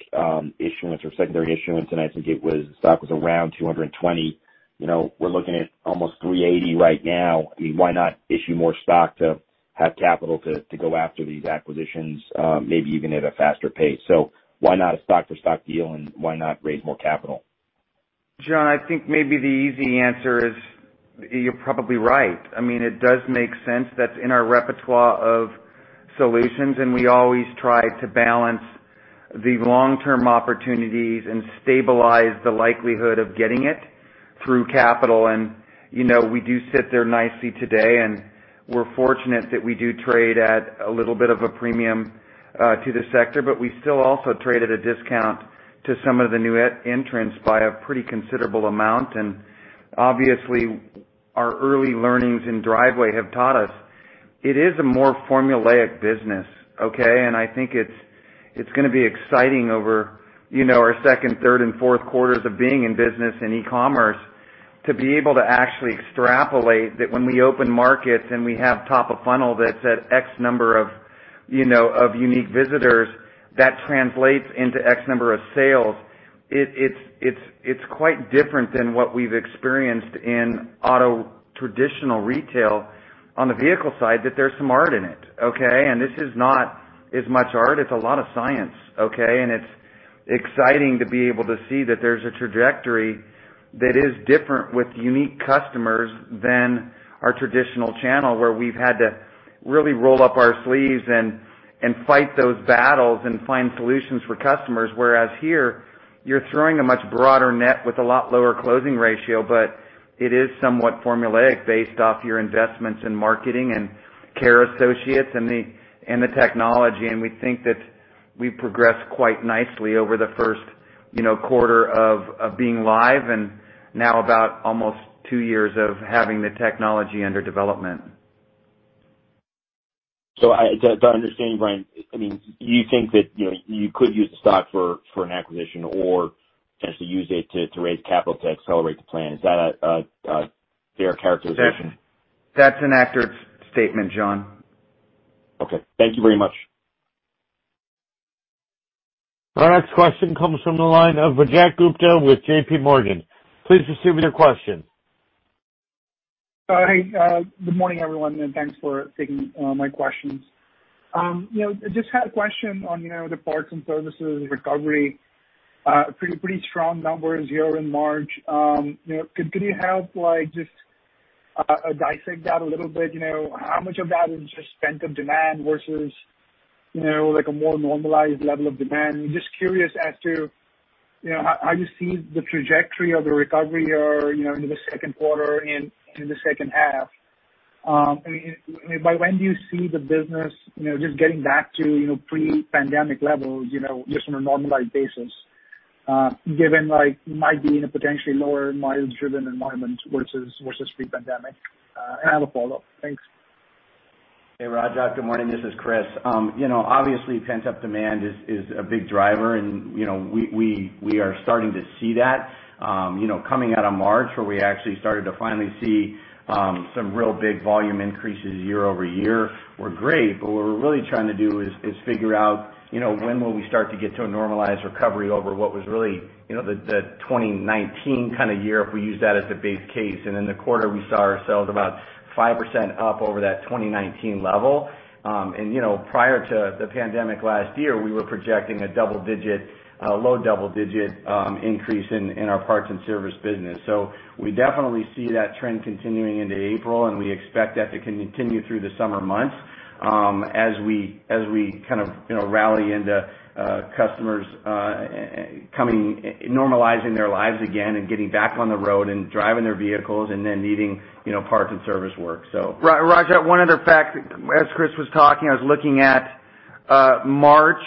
issuance or secondary issuance, and I think stock was around $220. You know, we're looking at almost $380 right now. I mean, why not issue more stock to have capital to go after these acquisitions, maybe even at a faster pace? Why not a stock for stock deal, and why not raise more capital? John, I think maybe the easy answer is you're probably right. I mean, it does make sense. That's in our repertoire of solutions, and we always try to balance the long-term opportunities and stabilize the likelihood of getting it through capital. You know, we do sit there nicely today, and we're fortunate that we do trade at a little bit of a premium to the sector, but we still also trade at a discount to some of the new e- entrants by a pretty considerable amount. Obviously our early learnings in Driveway have taught us it is a more formulaic business, okay. I think it's gonna be exciting over, you know, our second, third and fourth quarters of being in business in e-commerce to be able to actually extrapolate that when we open markets and we have top of funnel that's at X number of, you know, of unique visitors, that translates into X number of sales. It's quite different than what we've experienced in auto traditional retail on the vehicle side that there's some art in it, okay. This is not as much art, it's a lot of science, okay. It's exciting to be able to see that there's a trajectory that is different with unique customers than our traditional channel, where we've had to really roll up our sleeves and fight those battles and find solutions for customers. Here you're throwing a much broader net with a lot lower closing ratio. It is somewhat formulaic based off your investments in marketing and care associates and the technology. We think that we progressed quite nicely over the first, you know, quarter of being live and now about almost two years of having the technology under development. Do I understand you, Bryan? I mean, you think that, you know, you could use the stock for an acquisition or potentially use it to raise capital to accelerate the plan. Is that a fair characterization? That's an accurate statement, John. Okay. Thank you very much. Our next question comes from the line of Rajat Gupta with JPMorgan. Please proceed with your question. Hi. Good morning everyone. Thanks for taking my questions. You know, just had a question on, you know, the parts and services recovery. Pretty strong numbers year in March. You know, could you help like just dissect that a little bit? You know, how much of that is just pent up demand versus, you know, like a more normalized level of demand? I'm just curious as to, you know, how you see the trajectory of the recovery or, you know, into the second quarter and in the second half. I mean, by when do you see the business, you know, just getting back to, you know, pre-pandemic levels, you know, just on a normalized basis, given like you might be in a potentially lower mileage driven environment versus pre-pandemic? I have a follow-up. Thanks. Hey, Rajat. Good morning. This is Chris. You know, obviously pent up demand is a big driver and, you know, we are starting to see that. You know, coming out of March where we actually started to finally see some real big volume increases year-over-year were great, but what we're really trying to do is figure out, you know, when will we start to get to a normalized recovery over what was really, you know, the 2019 kind of year, if we use that as the base case. In the quarter we saw ourselves about 5% up over that 2019 level. You know, prior to the pandemic last year, we were projecting a double-digit, low double-digit increase in our parts and service business. We definitely see that trend continuing into April, and we expect that to continue through the summer months, as we, as we kind of, you know, rally into customers coming, normalizing their lives again and getting back on the road and driving their vehicles and then needing, you know, parts and service work. Rajat, one other fact. As Chris was talking, I was looking at March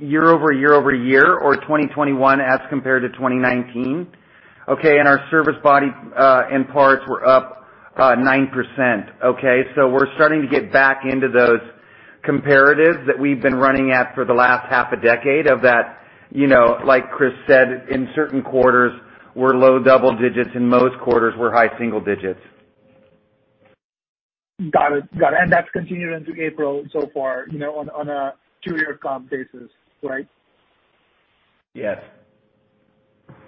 year over year over year or 2021 as compared to 2019, okay. Our service body and parts were up 9%, okay. We're starting to get back into those comparatives that we've been running at for the last half a decade of that, you know, like Chris said, in certain quarters we're low double digits, in most quarters we're high single digits. Got it. That's continued into April so far, you know, on a two-year comp basis, right? Yes.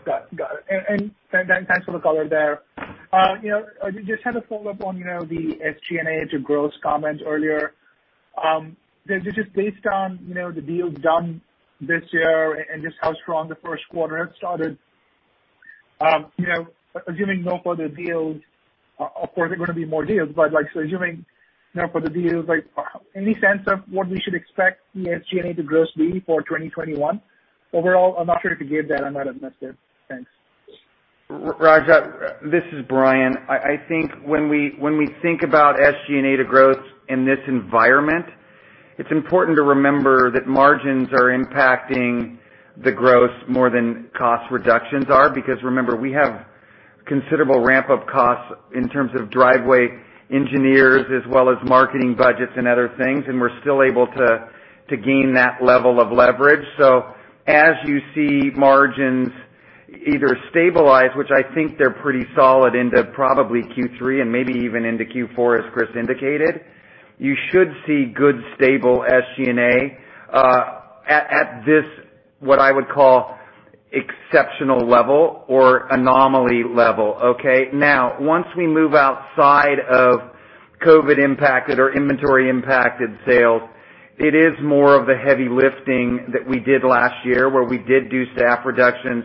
Got it. Thanks for the color there. You know, just had a follow-up on, you know, the SG&A to gross comment earlier. This is based on, you know, the deals done this year and just how strong the first quarter started. You know, assuming no further deals, of course there are gonna be more deals, but like assuming no further deals, like any sense of what we should expect the SG&A to gross be for 2021 overall? I'm not sure if you gave that or not on that there. Thanks. Rajat, this is Bryan. I think when we think about SG&A to gross in this environment, it's important to remember that margins are impacting the gross more than cost reductions are. Remember, we have considerable ramp-up costs in terms of Driveway engineers as well as marketing budgets and other things, and we're still able to gain that level of leverage. As you see margins either stabilize, which I think they're pretty solid into probably Q3 and maybe even into Q4, as Chris indicated, you should see good, stable SG&A at this, what I would call exceptional level or anomaly level, okay. Once we move outside of COVID-impacted or inventory-impacted sales, it is more of the heavy lifting that we did last year, where we did do staff reductions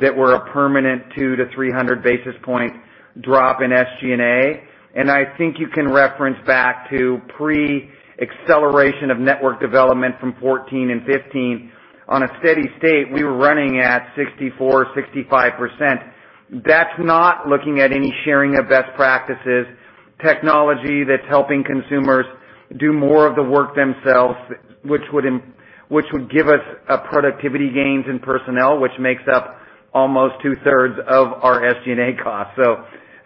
that were a permanent 200 to 300 basis point drop in SG&A. I think you can reference back to pre-acceleration of network development from 2014 and 2015. On a steady state, we were running at 64%, 65%. That's not looking at any sharing of best practices, technology that's helping consumers do more of the work themselves, which would give us productivity gains in personnel, which makes up almost two-thirds of our SG&A costs.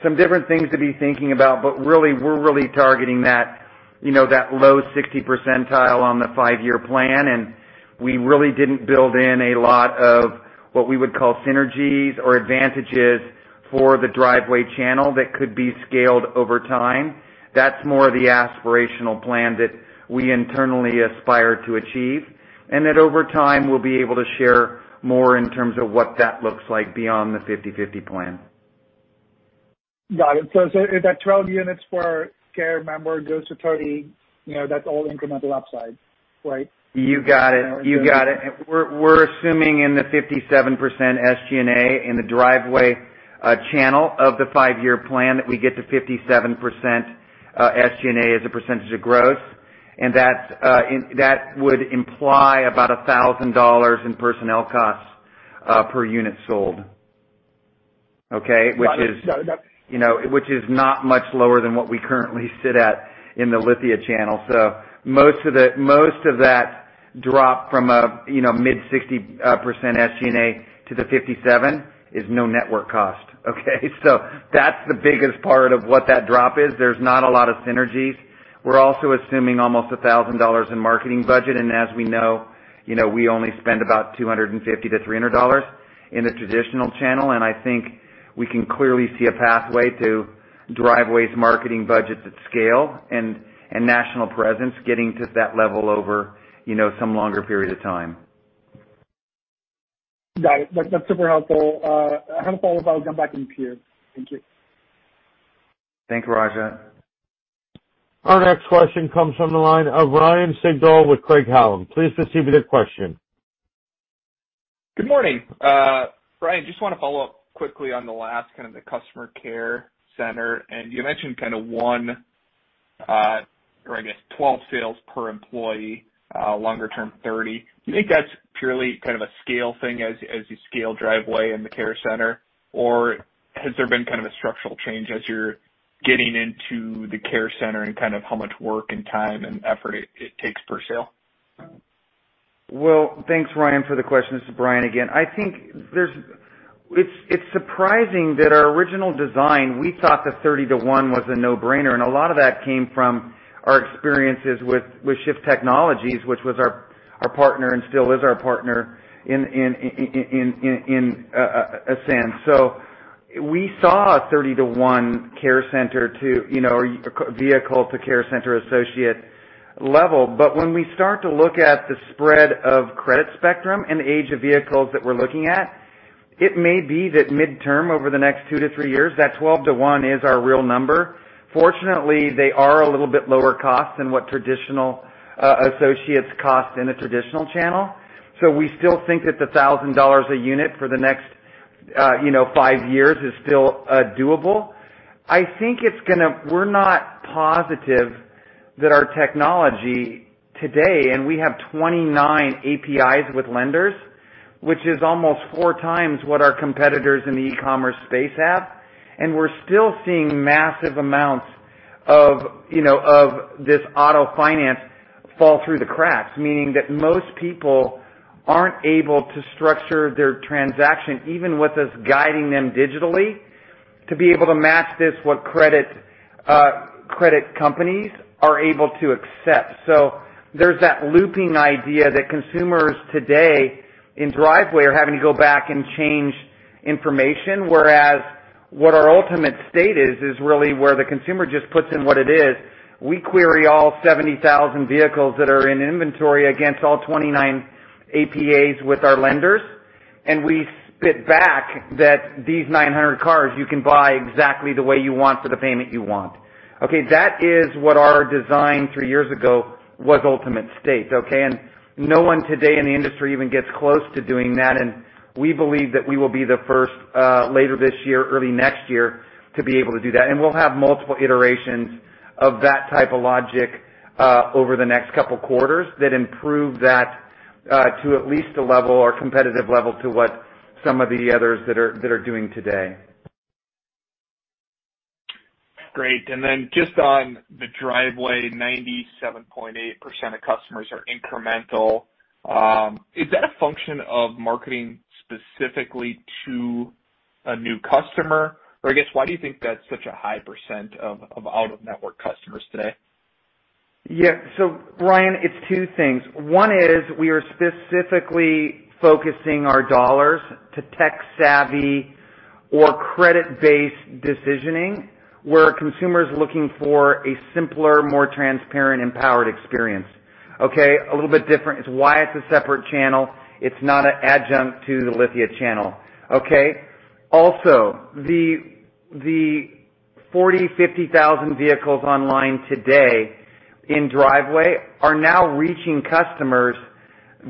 Some different things to be thinking about, but really we're really targeting that, you know, that low 60 percentile on the Five-Year Plan, and we really didn't build in a lot of what we would call synergies or advantages for the Driveway channel that could be scaled over time. That's more of the aspirational plan that we internally aspire to achieve. That over time, we'll be able to share more in terms of what that looks like beyond the 50/50 plan. Got it. If that 12 units per care member goes to 30, you know, that's all incremental upside, right? You got it. We're assuming in the 57% SG&A in the Driveway channel of the Five-Year Plan, that we get to 57% SG&A as a percentage of gross. That would imply about $1,000 in personnel costs per unit sold. Okay? Got it. Got it. Which is, you know, which is not much lower than what we currently sit at in the Lithia channel. Most of that drop from a, you know, mid-60% SG&A to the 57 is no network cost. Okay? That's the biggest part of what that drop is. There's not a lot of synergies. We're also assuming almost $1,000 in marketing budget, as we know, you know, we only spend about $250-$300 in the traditional channel, and I think we can clearly see a pathway to Driveway's marketing budgets at scale and national presence getting to that level over, you know, some longer period of time. Got it. That's super helpful. I have a follow-up. I'll come back in queue. Thank you. Thank you, Rajat. Our next question comes from the line of Ryan Sigdahl with Craig-Hallum. Please proceed with your question. Good morning. Bryan, just wanna follow up quickly on the last, kinda the customer care center. You mentioned kinda 1, or I guess 12 sales per employee, longer term 30. Do you think that's purely kinda a scale thing as you scale Driveway in the care center? Or has there been kinda a structural change as you're getting into the care center and kinda how much work and time and effort it takes per sale? Well, thanks, Ryan, for the question. This is Bryan again. I think there's It's surprising that our original design, we thought that 30 to 1 was a no-brainer, and a lot of that came from our experiences with Shift Technologies, which was our partner and still is our partner in a sense. We saw a 30 to 1 care center to, you know, or vehicle to care center associate level. When we start to look at the spread of credit spectrum and age of vehicles that we're looking at, it may be that midterm, over the next two to three years, that 12 to 1 is our real number. Fortunately, they are a little bit lower cost than what traditional, associates cost in a traditional channel. We still think that the $1,000 a unit for the next, you know, five years is still doable. We're not positive that our technology today, and we have 29 APIs with lenders, which is almost four times what our competitors in the e-commerce space have, and we're still seeing massive amounts of, you know, of this auto finance fall through the cracks. Meaning that most people aren't able to structure their transaction, even with us guiding them digitally, to be able to match this with credit companies are able to accept. There's that looping idea that consumers today in Driveway are having to go back and change information, whereas what our ultimate state is really where the consumer just puts in what it is. We query all 70,000 vehicles that are in inventory against all 29 APIs with our lenders, and we spit back that these 900 cars you can buy exactly the way you want for the payment you want. That is what our design three years ago was ultimate state. No one today in the industry even gets close to doing that, and we believe that we will be the first later this year, early next year, to be able to do that. We'll have multiple iterations of that type of logic over the next couple quarters that improve that to at least a level or competitive level to what some of the others that are doing today. Great. Just on the Driveway, 97.8% of customers are incremental. Is that a function of marketing specifically to a new customer? I guess, why do you think that's such a high percent of out-of-network customers today? Ryan, it's two things. One is we are specifically focusing our dollars to tech-savvy or credit-based decisioning, where a consumer is looking for a simpler, more transparent, empowered experience. Okay? A little bit different. It's why it's a separate channel. It's not an adjunct to the Lithia channel. Okay? Also, the 40, 50 thousand vehicles online today in Driveway are now reaching customers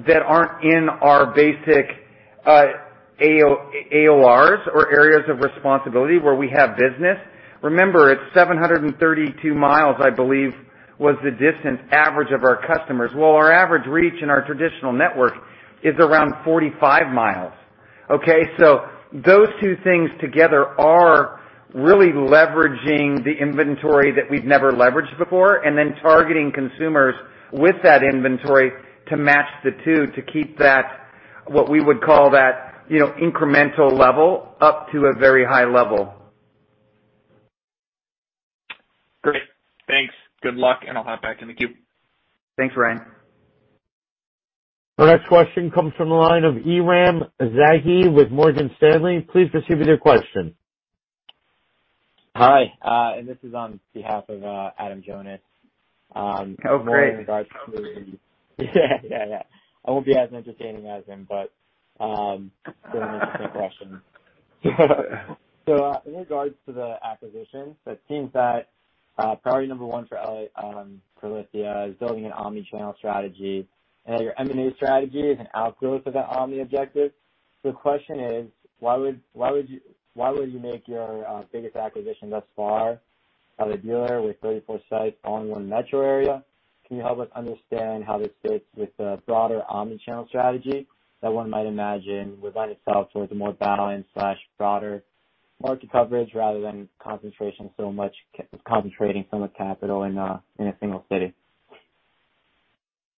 that aren't in our basic AORs or areas of responsibility where we have business. Remember, it's 732 mi, I believe, was the distance average of our customers. Our average reach in our traditional network is around 45 mi. Okay? Those two things together are really leveraging the inventory that we've never leveraged before, and then targeting consumers with that inventory to match the two to keep that, what we would call that, you know, incremental level up to a very high level. Great. Thanks. Good luck. I'll hop back in the queue. Thanks, Ryan. Our next question comes from the line of Eram Zaghi with Morgan Stanley. Please proceed with your question. Hi. This is on behalf of Adam Jonas. Oh, great. Yeah. I won't be as entertaining as him, but, same question. In regards to the acquisition, it seems that priority number one for Lithia is building an omni-channel strategy. Your M&A strategy is an outgrowth of that omni objective. The question is, why would you make your biggest acquisition thus far of a dealer with 34 sites all in one metro area? Can you help us understand how this fits with the broader omni-channel strategy that one might imagine would lend itself towards a more balanced/broader market coverage rather than concentrating so much capital in a single city?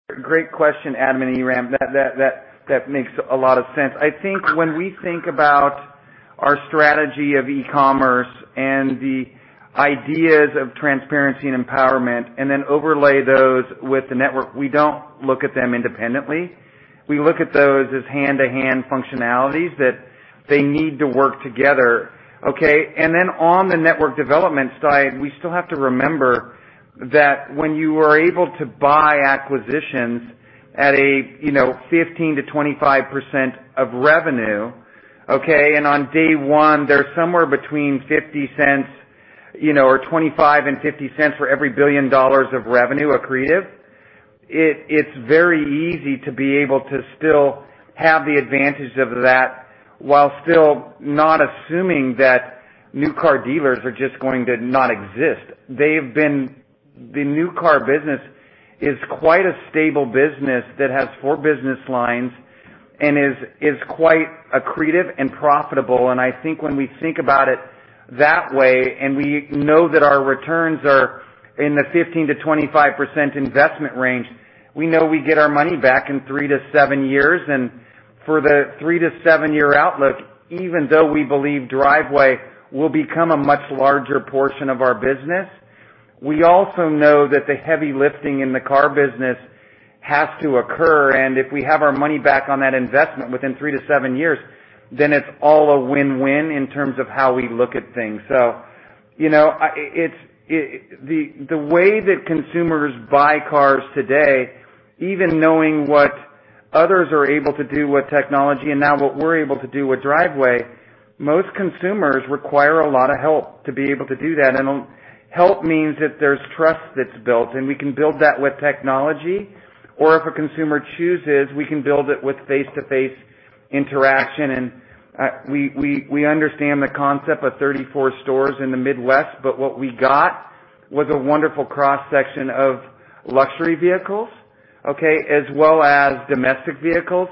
Great question, Adam and Eram. That makes a lot of sense. I think when we think about our strategy of e-commerce and the ideas of transparency and empowerment, then overlay those with the network, we don't look at them independently. We look at those as hand-to-hand functionalities that they need to work together. Okay? On the network development side, we still have to remember that when you are able to buy acquisitions at a, you know, 15%-25% of revenue, okay, on day one, they're somewhere between $0.25 and $0.50 for every $1 billion of revenue accretive, it's very easy to be able to still have the advantage of that while still not assuming that new car dealers are just going to not exist. The new car business is quite a stable business that has four business lines and is quite accretive and profitable. I think when we think about it that way, and we know that our returns are in the 15%-25% investment range, we know we get our money back in three to seven years. For the three to seven year outlook, even though we believe Driveway will become a much larger portion of our business, we also know that the heavy lifting in the car business has to occur. If we have our money back on that investment within three to seven years, then it's all a win-win in terms of how we look at things. You know, it's the way that consumers buy cars today, even knowing what others are able to do with technology and now what we're able to do with Driveway, most consumers require a lot of help to be able to do that. Help means that there's trust that's built, and we can build that with technology. If a consumer chooses, we can build it with face-to-face interaction. We understand the concept of 34 stores in the Midwest, but what we got was a wonderful cross-section of luxury vehicles, okay, as well as domestic vehicles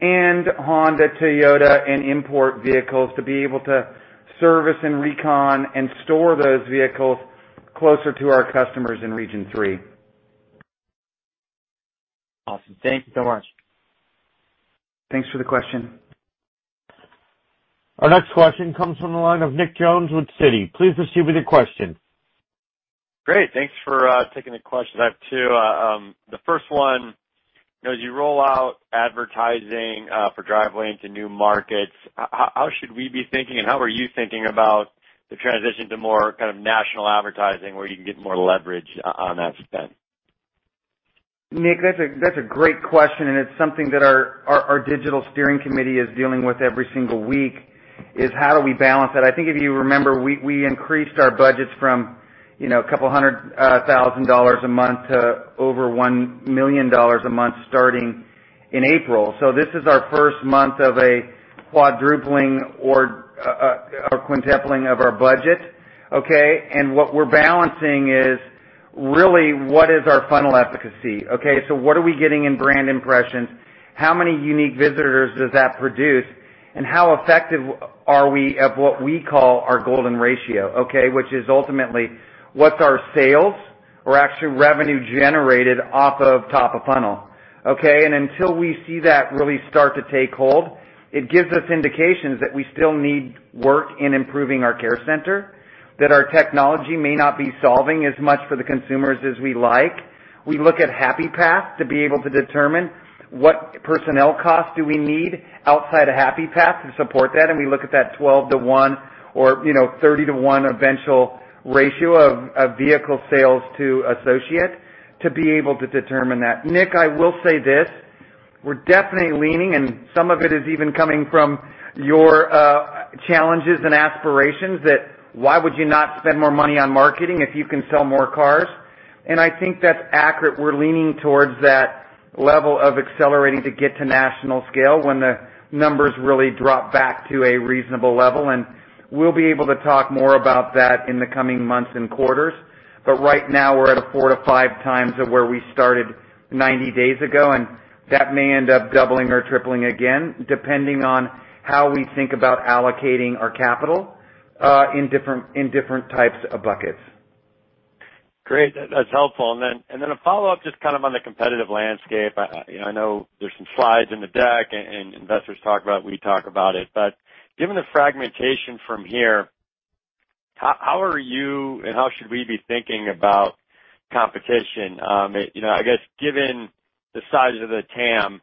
and Honda, Toyota, and import vehicles to be able to service and recon and store those vehicles closer to our customers in Region 3. Awesome. Thank you so much. Thanks for the question. Our next question comes from the line of Nick Jones with Citi. Please proceed with your question. Great. Thanks for taking the questions. I have two. The first one, you know, as you roll out advertising for Driveway into new markets, how should we be thinking, and how are you thinking about the transition to more kind of national advertising where you can get more leverage on that spend? Nick, that's a great question, and it's something that our digital steering committee is dealing with every single week, is how do we balance that? I think if you remember, we increased our budgets from, you know, a couple hundred thousand dollars a month to over $1 million a month starting in April. This is our first month of a quadrupling or quintupling of our budget, okay? What we're balancing is really what is our funnel efficacy, okay? What are we getting in brand impressions? How many unique visitors does that produce? How effective are we at what we call our golden ratio, okay? Which is ultimately what's our sales or actually revenue generated off of top of funnel, okay? Until we see that really start to take hold, it gives us indications that we still need work in improving our Care Center, that our technology may not be solving as much for the consumers as we like. We look at Happy Path to be able to determine what personnel costs do we need outside of Happy Path to support that, and we look at that 12 to 1 or, you know, 30 to 1 eventual ratio of vehicle sales to associate to be able to determine that. Nick, I will say this, we're definitely leaning, and some of it is even coming from your challenges and aspirations, that why would you not spend more money on marketing if you can sell more cars? I think that's accurate. We're leaning towards that level of accelerating to get to national scale when the numbers really drop back to a reasonable level. We'll be able to talk more about that in the coming months and quarters. Right now we're at a four to five times of where we started 90 days ago, and that may end up doubling or tripling again, depending on how we think about allocating our capital in different types of buckets. Great. That is helpful. A follow-up just kind of on the competitive landscape. I, you know, I know there are some slides in the deck and investors talk about it, we talk about it. Given the fragmentation from here, how are you and how should we be thinking about competition? You know, I guess given the size of the TAM,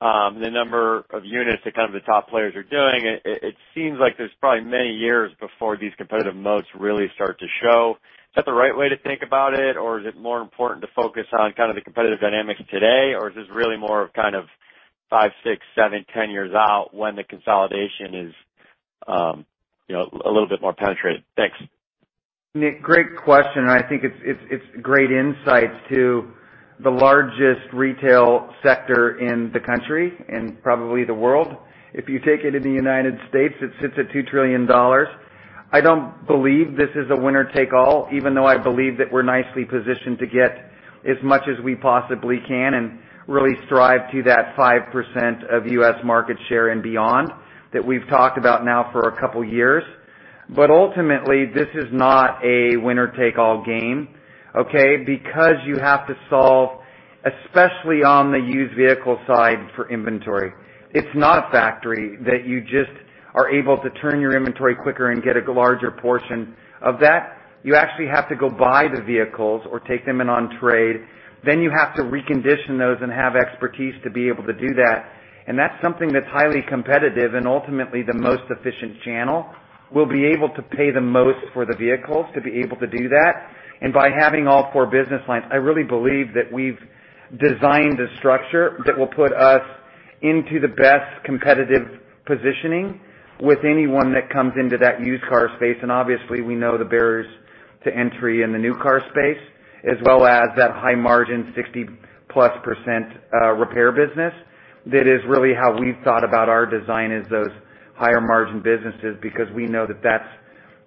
the number of units that kind of the top players are doing, it seems like there is probably many years before these competitive moats really start to show. Is that the right way to think about it? Or is it more important to focus on kind of the competitive dynamics today? Or is this really more of kind of five, six, seven, 10 years out when the consolidation is, you know, a little bit more penetrated? Thanks. Nick, great question, and I think it's great insights to the largest retail sector in the country and probably the world. If you take it in the U.S., it sits at $2 trillion. I don't believe this is a winner take all, even though I believe that we're nicely positioned to get as much as we possibly can and really strive to that 5% of U.S. market share and beyond that we've talked about now for a couple years. Ultimately, this is not a winner take all game, okay? You have to solve, especially on the used vehicle side for inventory. It's not a factory that you just are able to turn your inventory quicker and get a larger portion of that. You actually have to go buy the vehicles or take them in on trade. You have to recondition those and have expertise to be able to do that. That's something that's highly competitive and ultimately the most efficient channel will be able to pay the most for the vehicles to be able to do that. By having all four business lines, I really believe that we've designed a structure that will put us into the best competitive positioning with anyone that comes into that used car space. Obviously, we know the barriers to entry in the new car space, as well as that high margin, +60%, repair business. That is really how we've thought about our design is those higher margin businesses, because we know that that's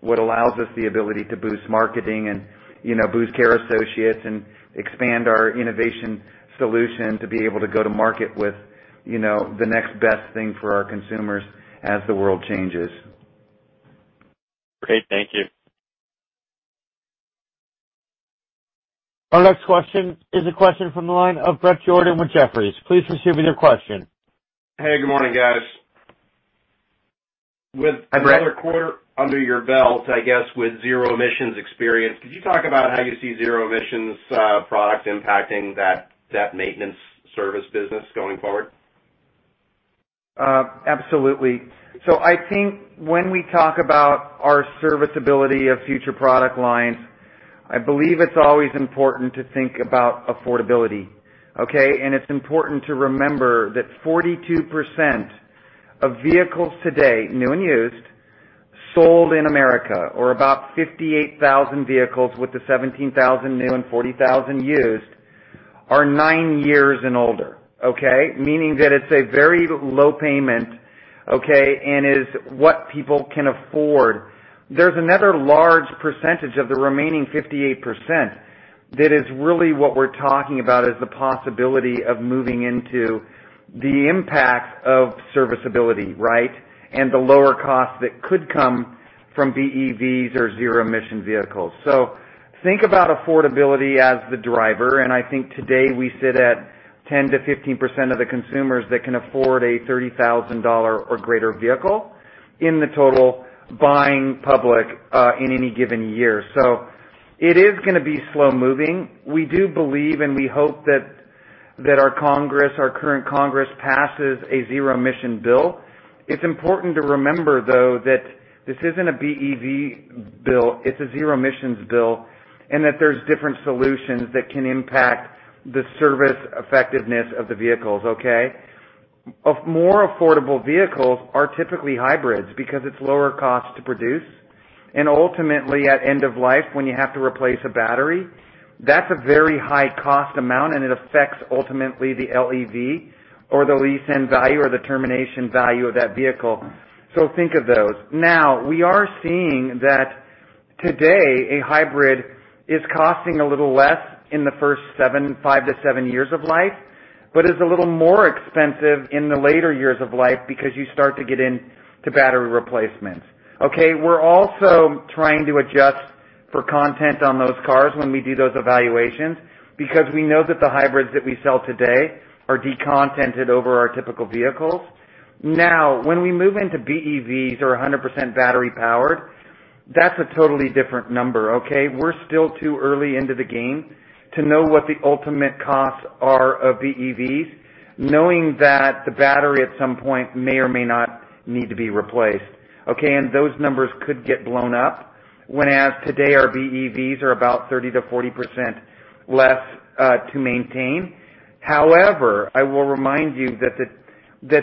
what allows us the ability to boost marketing and, you know, boost care associates and expand our innovation solution to be able to go to market with, you know, the next best thing for our consumers as the world changes. Great. Thank you. Our next question is a question from the line of Bret Jordan with Jefferies. Please proceed with your question. Hey, good morning, guys. Hi, Bret. With another quarter under your belt, I guess, with zero emissions experience, could you talk about how you see zero emissions product impacting that maintenance service business going forward? Absolutely. I think when we talk about our serviceability of future product lines, I believe it's always important to think about affordability, okay? It's important to remember that 42% of vehicles today, new and used, sold in America, or about 58,000 vehicles with the 17,000 new and 40,000 used, are nine years and older, okay? Meaning that it's a very low payment, okay, and is what people can afford. There's another large percentage of the remaining 58% that is really what we're talking about as the possibility of moving into the impact of serviceability, right? The lower cost that could come from BEVs or zero emission vehicles. Think about affordability as the driver, and I think today we sit at 10%-15% of the consumers that can afford a $30,000 or greater vehicle in the total buying public in any given year. It is gonna be slow-moving. We do believe, and we hope that our Congress, our current Congress, passes a zero emission bill. It's important to remember, though, that this isn't a BEV bill, it's a zero emissions bill, and that there's different solutions that can impact the service effectiveness of the vehicles, okay. Of more affordable vehicles are typically hybrids because it's lower cost to produce. Ultimately, at end of life, when you have to replace a battery, that's a very high cost amount, and it affects ultimately the LEV or the lease-end value or the termination value of that vehicle. Think of those. We are seeing that today a hybrid is costing a little less in the first five to seven years of life, but is a little more expensive in the later years of life because you start to get into battery replacements. We are also trying to adjust for content on those cars when we do those evaluations because we know that the hybrids that we sell today are decontented over our typical vehicles. When we move into BEVs or 100% battery-powered, that's a totally different number. We're still too early into the game to know what the ultimate costs are of BEVs, knowing that the battery at some point may or may not need to be replaced. Those numbers could get blown up, when as today, our BEVs are about 30%-40% less to maintain. I will remind you that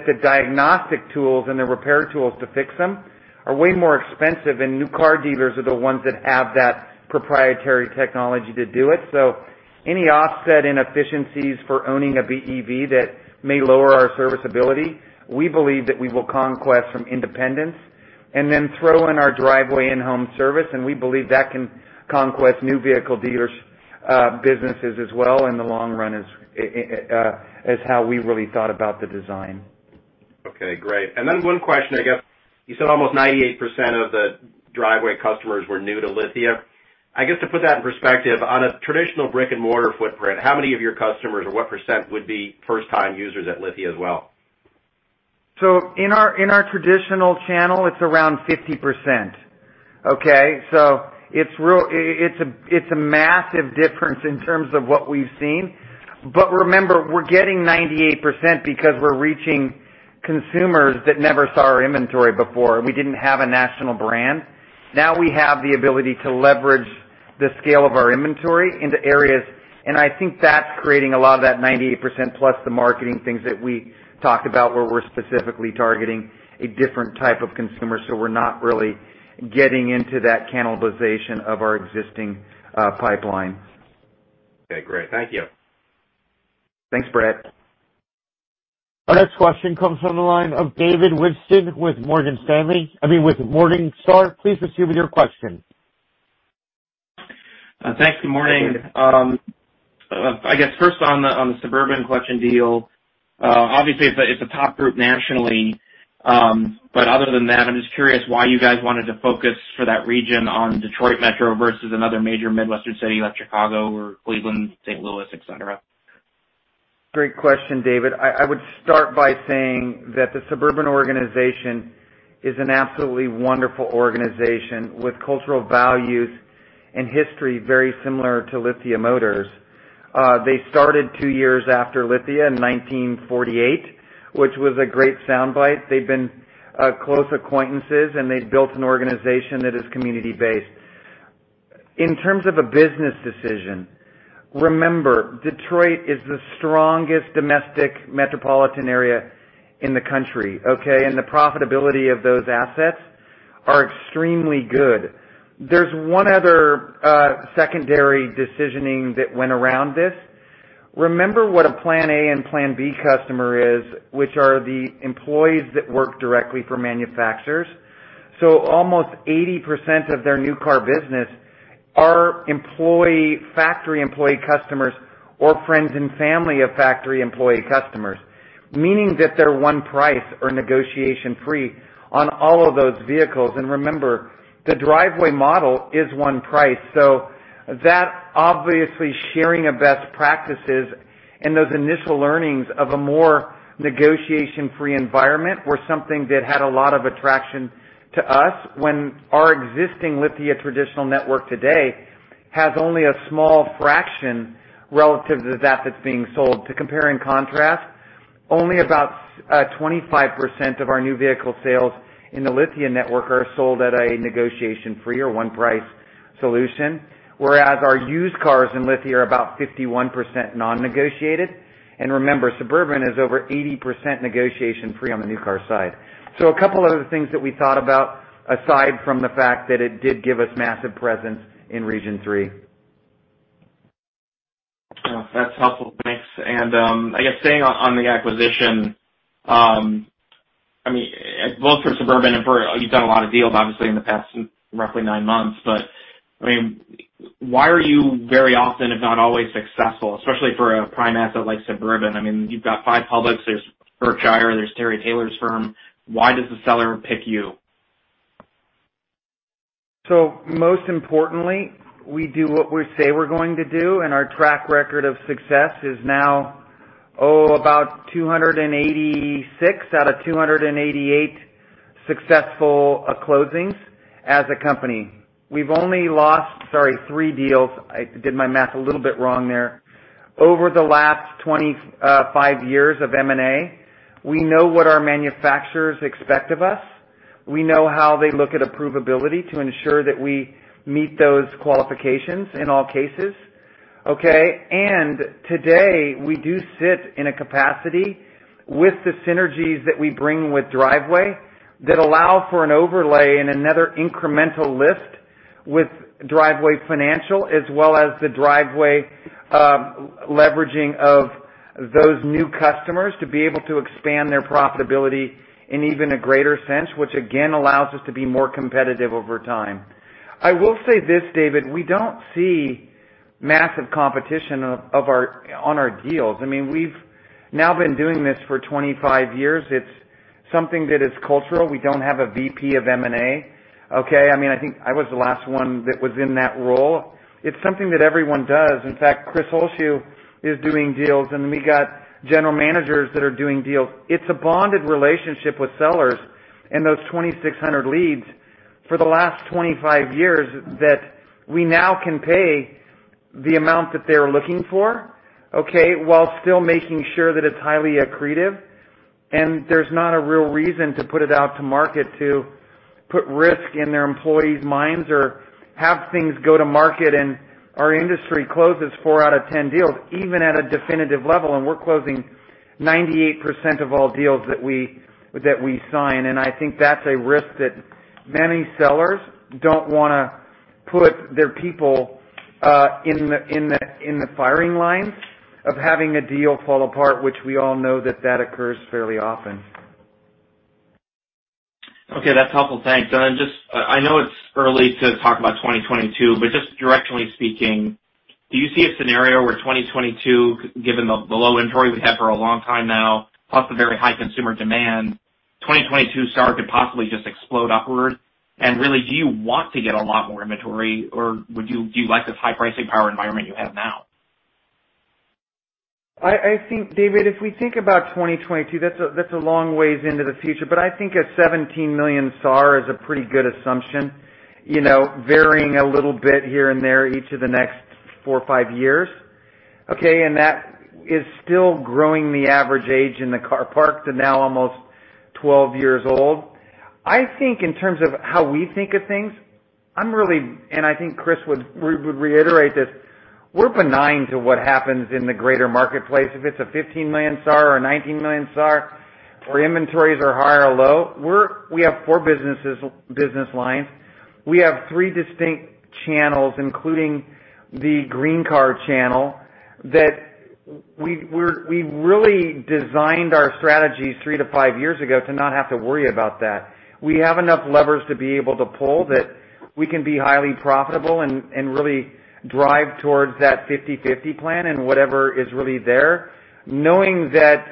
the diagnostic tools and the repair tools to fix them are way more expensive, and new car dealers are the ones that have that proprietary technology to do it. Any offset in efficiencies for owning a BEV that may lower our serviceability, we believe that we will conquest from independents and then throw in our Driveway and home service, and we believe that can conquest new vehicle dealers' businesses as well in the long run is how we really thought about the design. Okay, great. One question, I guess you said almost 98% of the Driveway customers were new to Lithia. I guess to put that in perspective, on a traditional brick-and-mortar footprint, how many of your customers or what percent would be first-time users at Lithia as well? In our traditional channel, it's around 50%, okay. It's a massive difference in terms of what we've seen. Remember, we're getting 98% because we're reaching consumers that never saw our inventory before. We didn't have a national brand. Now we have the ability to leverage the scale of our inventory into areas, and I think that's creating a lot of that 98%, plus the marketing things that we talked about, where we're specifically targeting a different type of consumer, so we're not really getting into that cannibalization of our existing pipeline. Okay, great. Thank you. Thanks, Bret. Our next question comes from the line of David Whiston with Morgan Stanley. I mean, with Morningstar. Please proceed with your question. Thanks. Good morning. I guess first on the Suburban Collection deal, obviously, it's a top group nationally. Other than that, I'm just curious why you guys wanted to focus for that region on Detroit Metro versus another major Midwestern city like Chicago or Cleveland, St. Louis, et cetera. Great question, David. I would start by saying that The Suburban Collection is an absolutely wonderful organization with cultural values and history very similar to Lithia Motors. They started two years after Lithia Motors in 1948, which was a great soundbite. They've been close acquaintances, they've built an organization that is community-based. In terms of a business decision, remember, Detroit is the strongest domestic metropolitan area in the country, okay? The profitability of those assets are extremely good. There's one other secondary decisioning that went around this. Remember what a Plan A and Plan B customer is, which are the employees that work directly for manufacturers. Almost 80% of their new car business are employee, factory employee customers or friends and family of factory employee customers, meaning that they're one price or negotiation-free on all of those vehicles. Remember, the Driveway model is one price. That obviously sharing of best practices and those initial learnings of a more negotiation-free environment were something that had a lot of attraction to us when our existing Lithia traditional network today has only a small fraction relative to that that's being sold. To compare and contrast, only about 25% of our new vehicle sales in the Lithia network are sold at a negotiation-free or one price solution, whereas our used cars in Lithia are about 51% non-negotiated. Remember, Suburban is over 80% negotiation-free on the new car side. A couple other things that we thought about aside from the fact that it did give us massive presence in Region 3. Oh, that's helpful. Thanks. I guess staying on the acquisition, I mean, both for Suburban and for You've done a lot of deals, obviously, in the past roughly nine months. I mean, why are you very often, if not always successful, especially for a prime asset like Suburban? I mean, you've got five publics. There's Berkshire, there's Terry Taylor's firm. Why does the seller pick you? Most importantly, we do what we say we're going to do, and our track record of success is now, oh, about 286 out of 288 successful closings as a company. We've only lost, sorry, three deals, I did my math a little bit wrong there, over the last 25 years of M&A. We know what our manufacturers expect of us. We know how they look at approvability to ensure that we meet those qualifications in all cases. Okay. Today, we do sit in a capacity with the synergies that we bring with Driveway that allow for an overlay and another incremental lift with Driveway Finance Corp., as well as the Driveway leveraging of those new customers to be able to expand their profitability in even a greater sense, which again allows us to be more competitive over time. I will say this, David, we don't see massive competition of our deals. I mean, we've now been doing this for 25 years. It's something that is cultural. We don't have a VP of M&A. Okay? I mean, I think I was the last one that was in that role. It's something that everyone does. In fact, Chris Holzshu is doing deals, and we got general managers that are doing deals. It's a bonded relationship with sellers and those 2,600 leads for the last 25 years that we now can pay the amount that they're looking for, okay, while still making sure that it's highly accretive. There's not a real reason to put it out to market to put risk in their employees' minds or have things go to market. Our industry closes 4 out of 10 deals, even at a definitive level, and we're closing 98% of all deals that we sign. I think that's a risk that many sellers don't wanna put their people in the firing line of having a deal fall apart, which we all know that occurs fairly often. Okay. That's helpful. Thanks. I know it's early to talk about 2022, but just directionally speaking, do you see a scenario where 2022, given the low inventory we've had for a long time now, plus the very high consumer demand, 2022 SAAR could possibly just explode upward? Do you want to get a lot more inventory, or do you like this high pricing power environment you have now? I think, David, if we think about 2022, that's a long ways into the future. I think a 17 million SAAR is a pretty good assumption, you know, varying a little bit here and there each of the next four or five years. Okay? That is still growing the average age in the car park to now almost 12 years old. I think in terms of how we think of things, I'm really, and I think Chris would reiterate this, we're benign to what happens in the greater marketplace. If it's a 15 million SAAR or a 19 million SAAR, or inventories are high or low, we have four business lines. We have three distinct channels, including the GreenCars channel, that we really designed our strategies three to five years ago to not have to worry about that. We have enough levers to be able to pull that we can be highly profitable and really drive towards that 50/50 plan and whatever is really there. Knowing that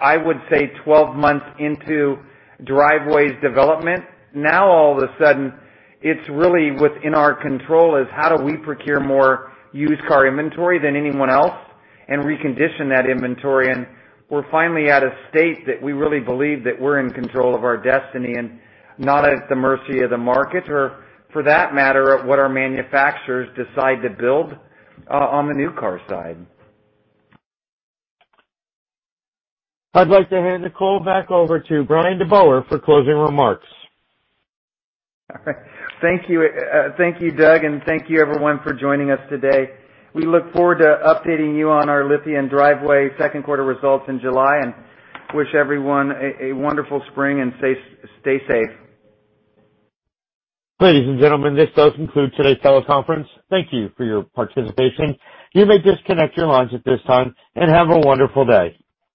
I would say 12 months into Driveway's development, now all of a sudden it's really within our control is how do we procure more used car inventory than anyone else and recondition that inventory. We're finally at a state that we really believe that we're in control of our destiny and not at the mercy of the market or for that matter, what our manufacturers decide to build, on the new car side. I'd like to hand the call back over to Bryan DeBoer for closing remarks. All right. Thank you. Thank you, Doug, and thank you everyone for joining us today. We look forward to updating you on our Lithia and Driveway second quarter results in July, and wish everyone a wonderful spring and stay safe. Ladies and gentlemen, this does conclude today's teleconference. Thank you for your participation. You may disconnect your lines at this time, and have a wonderful day.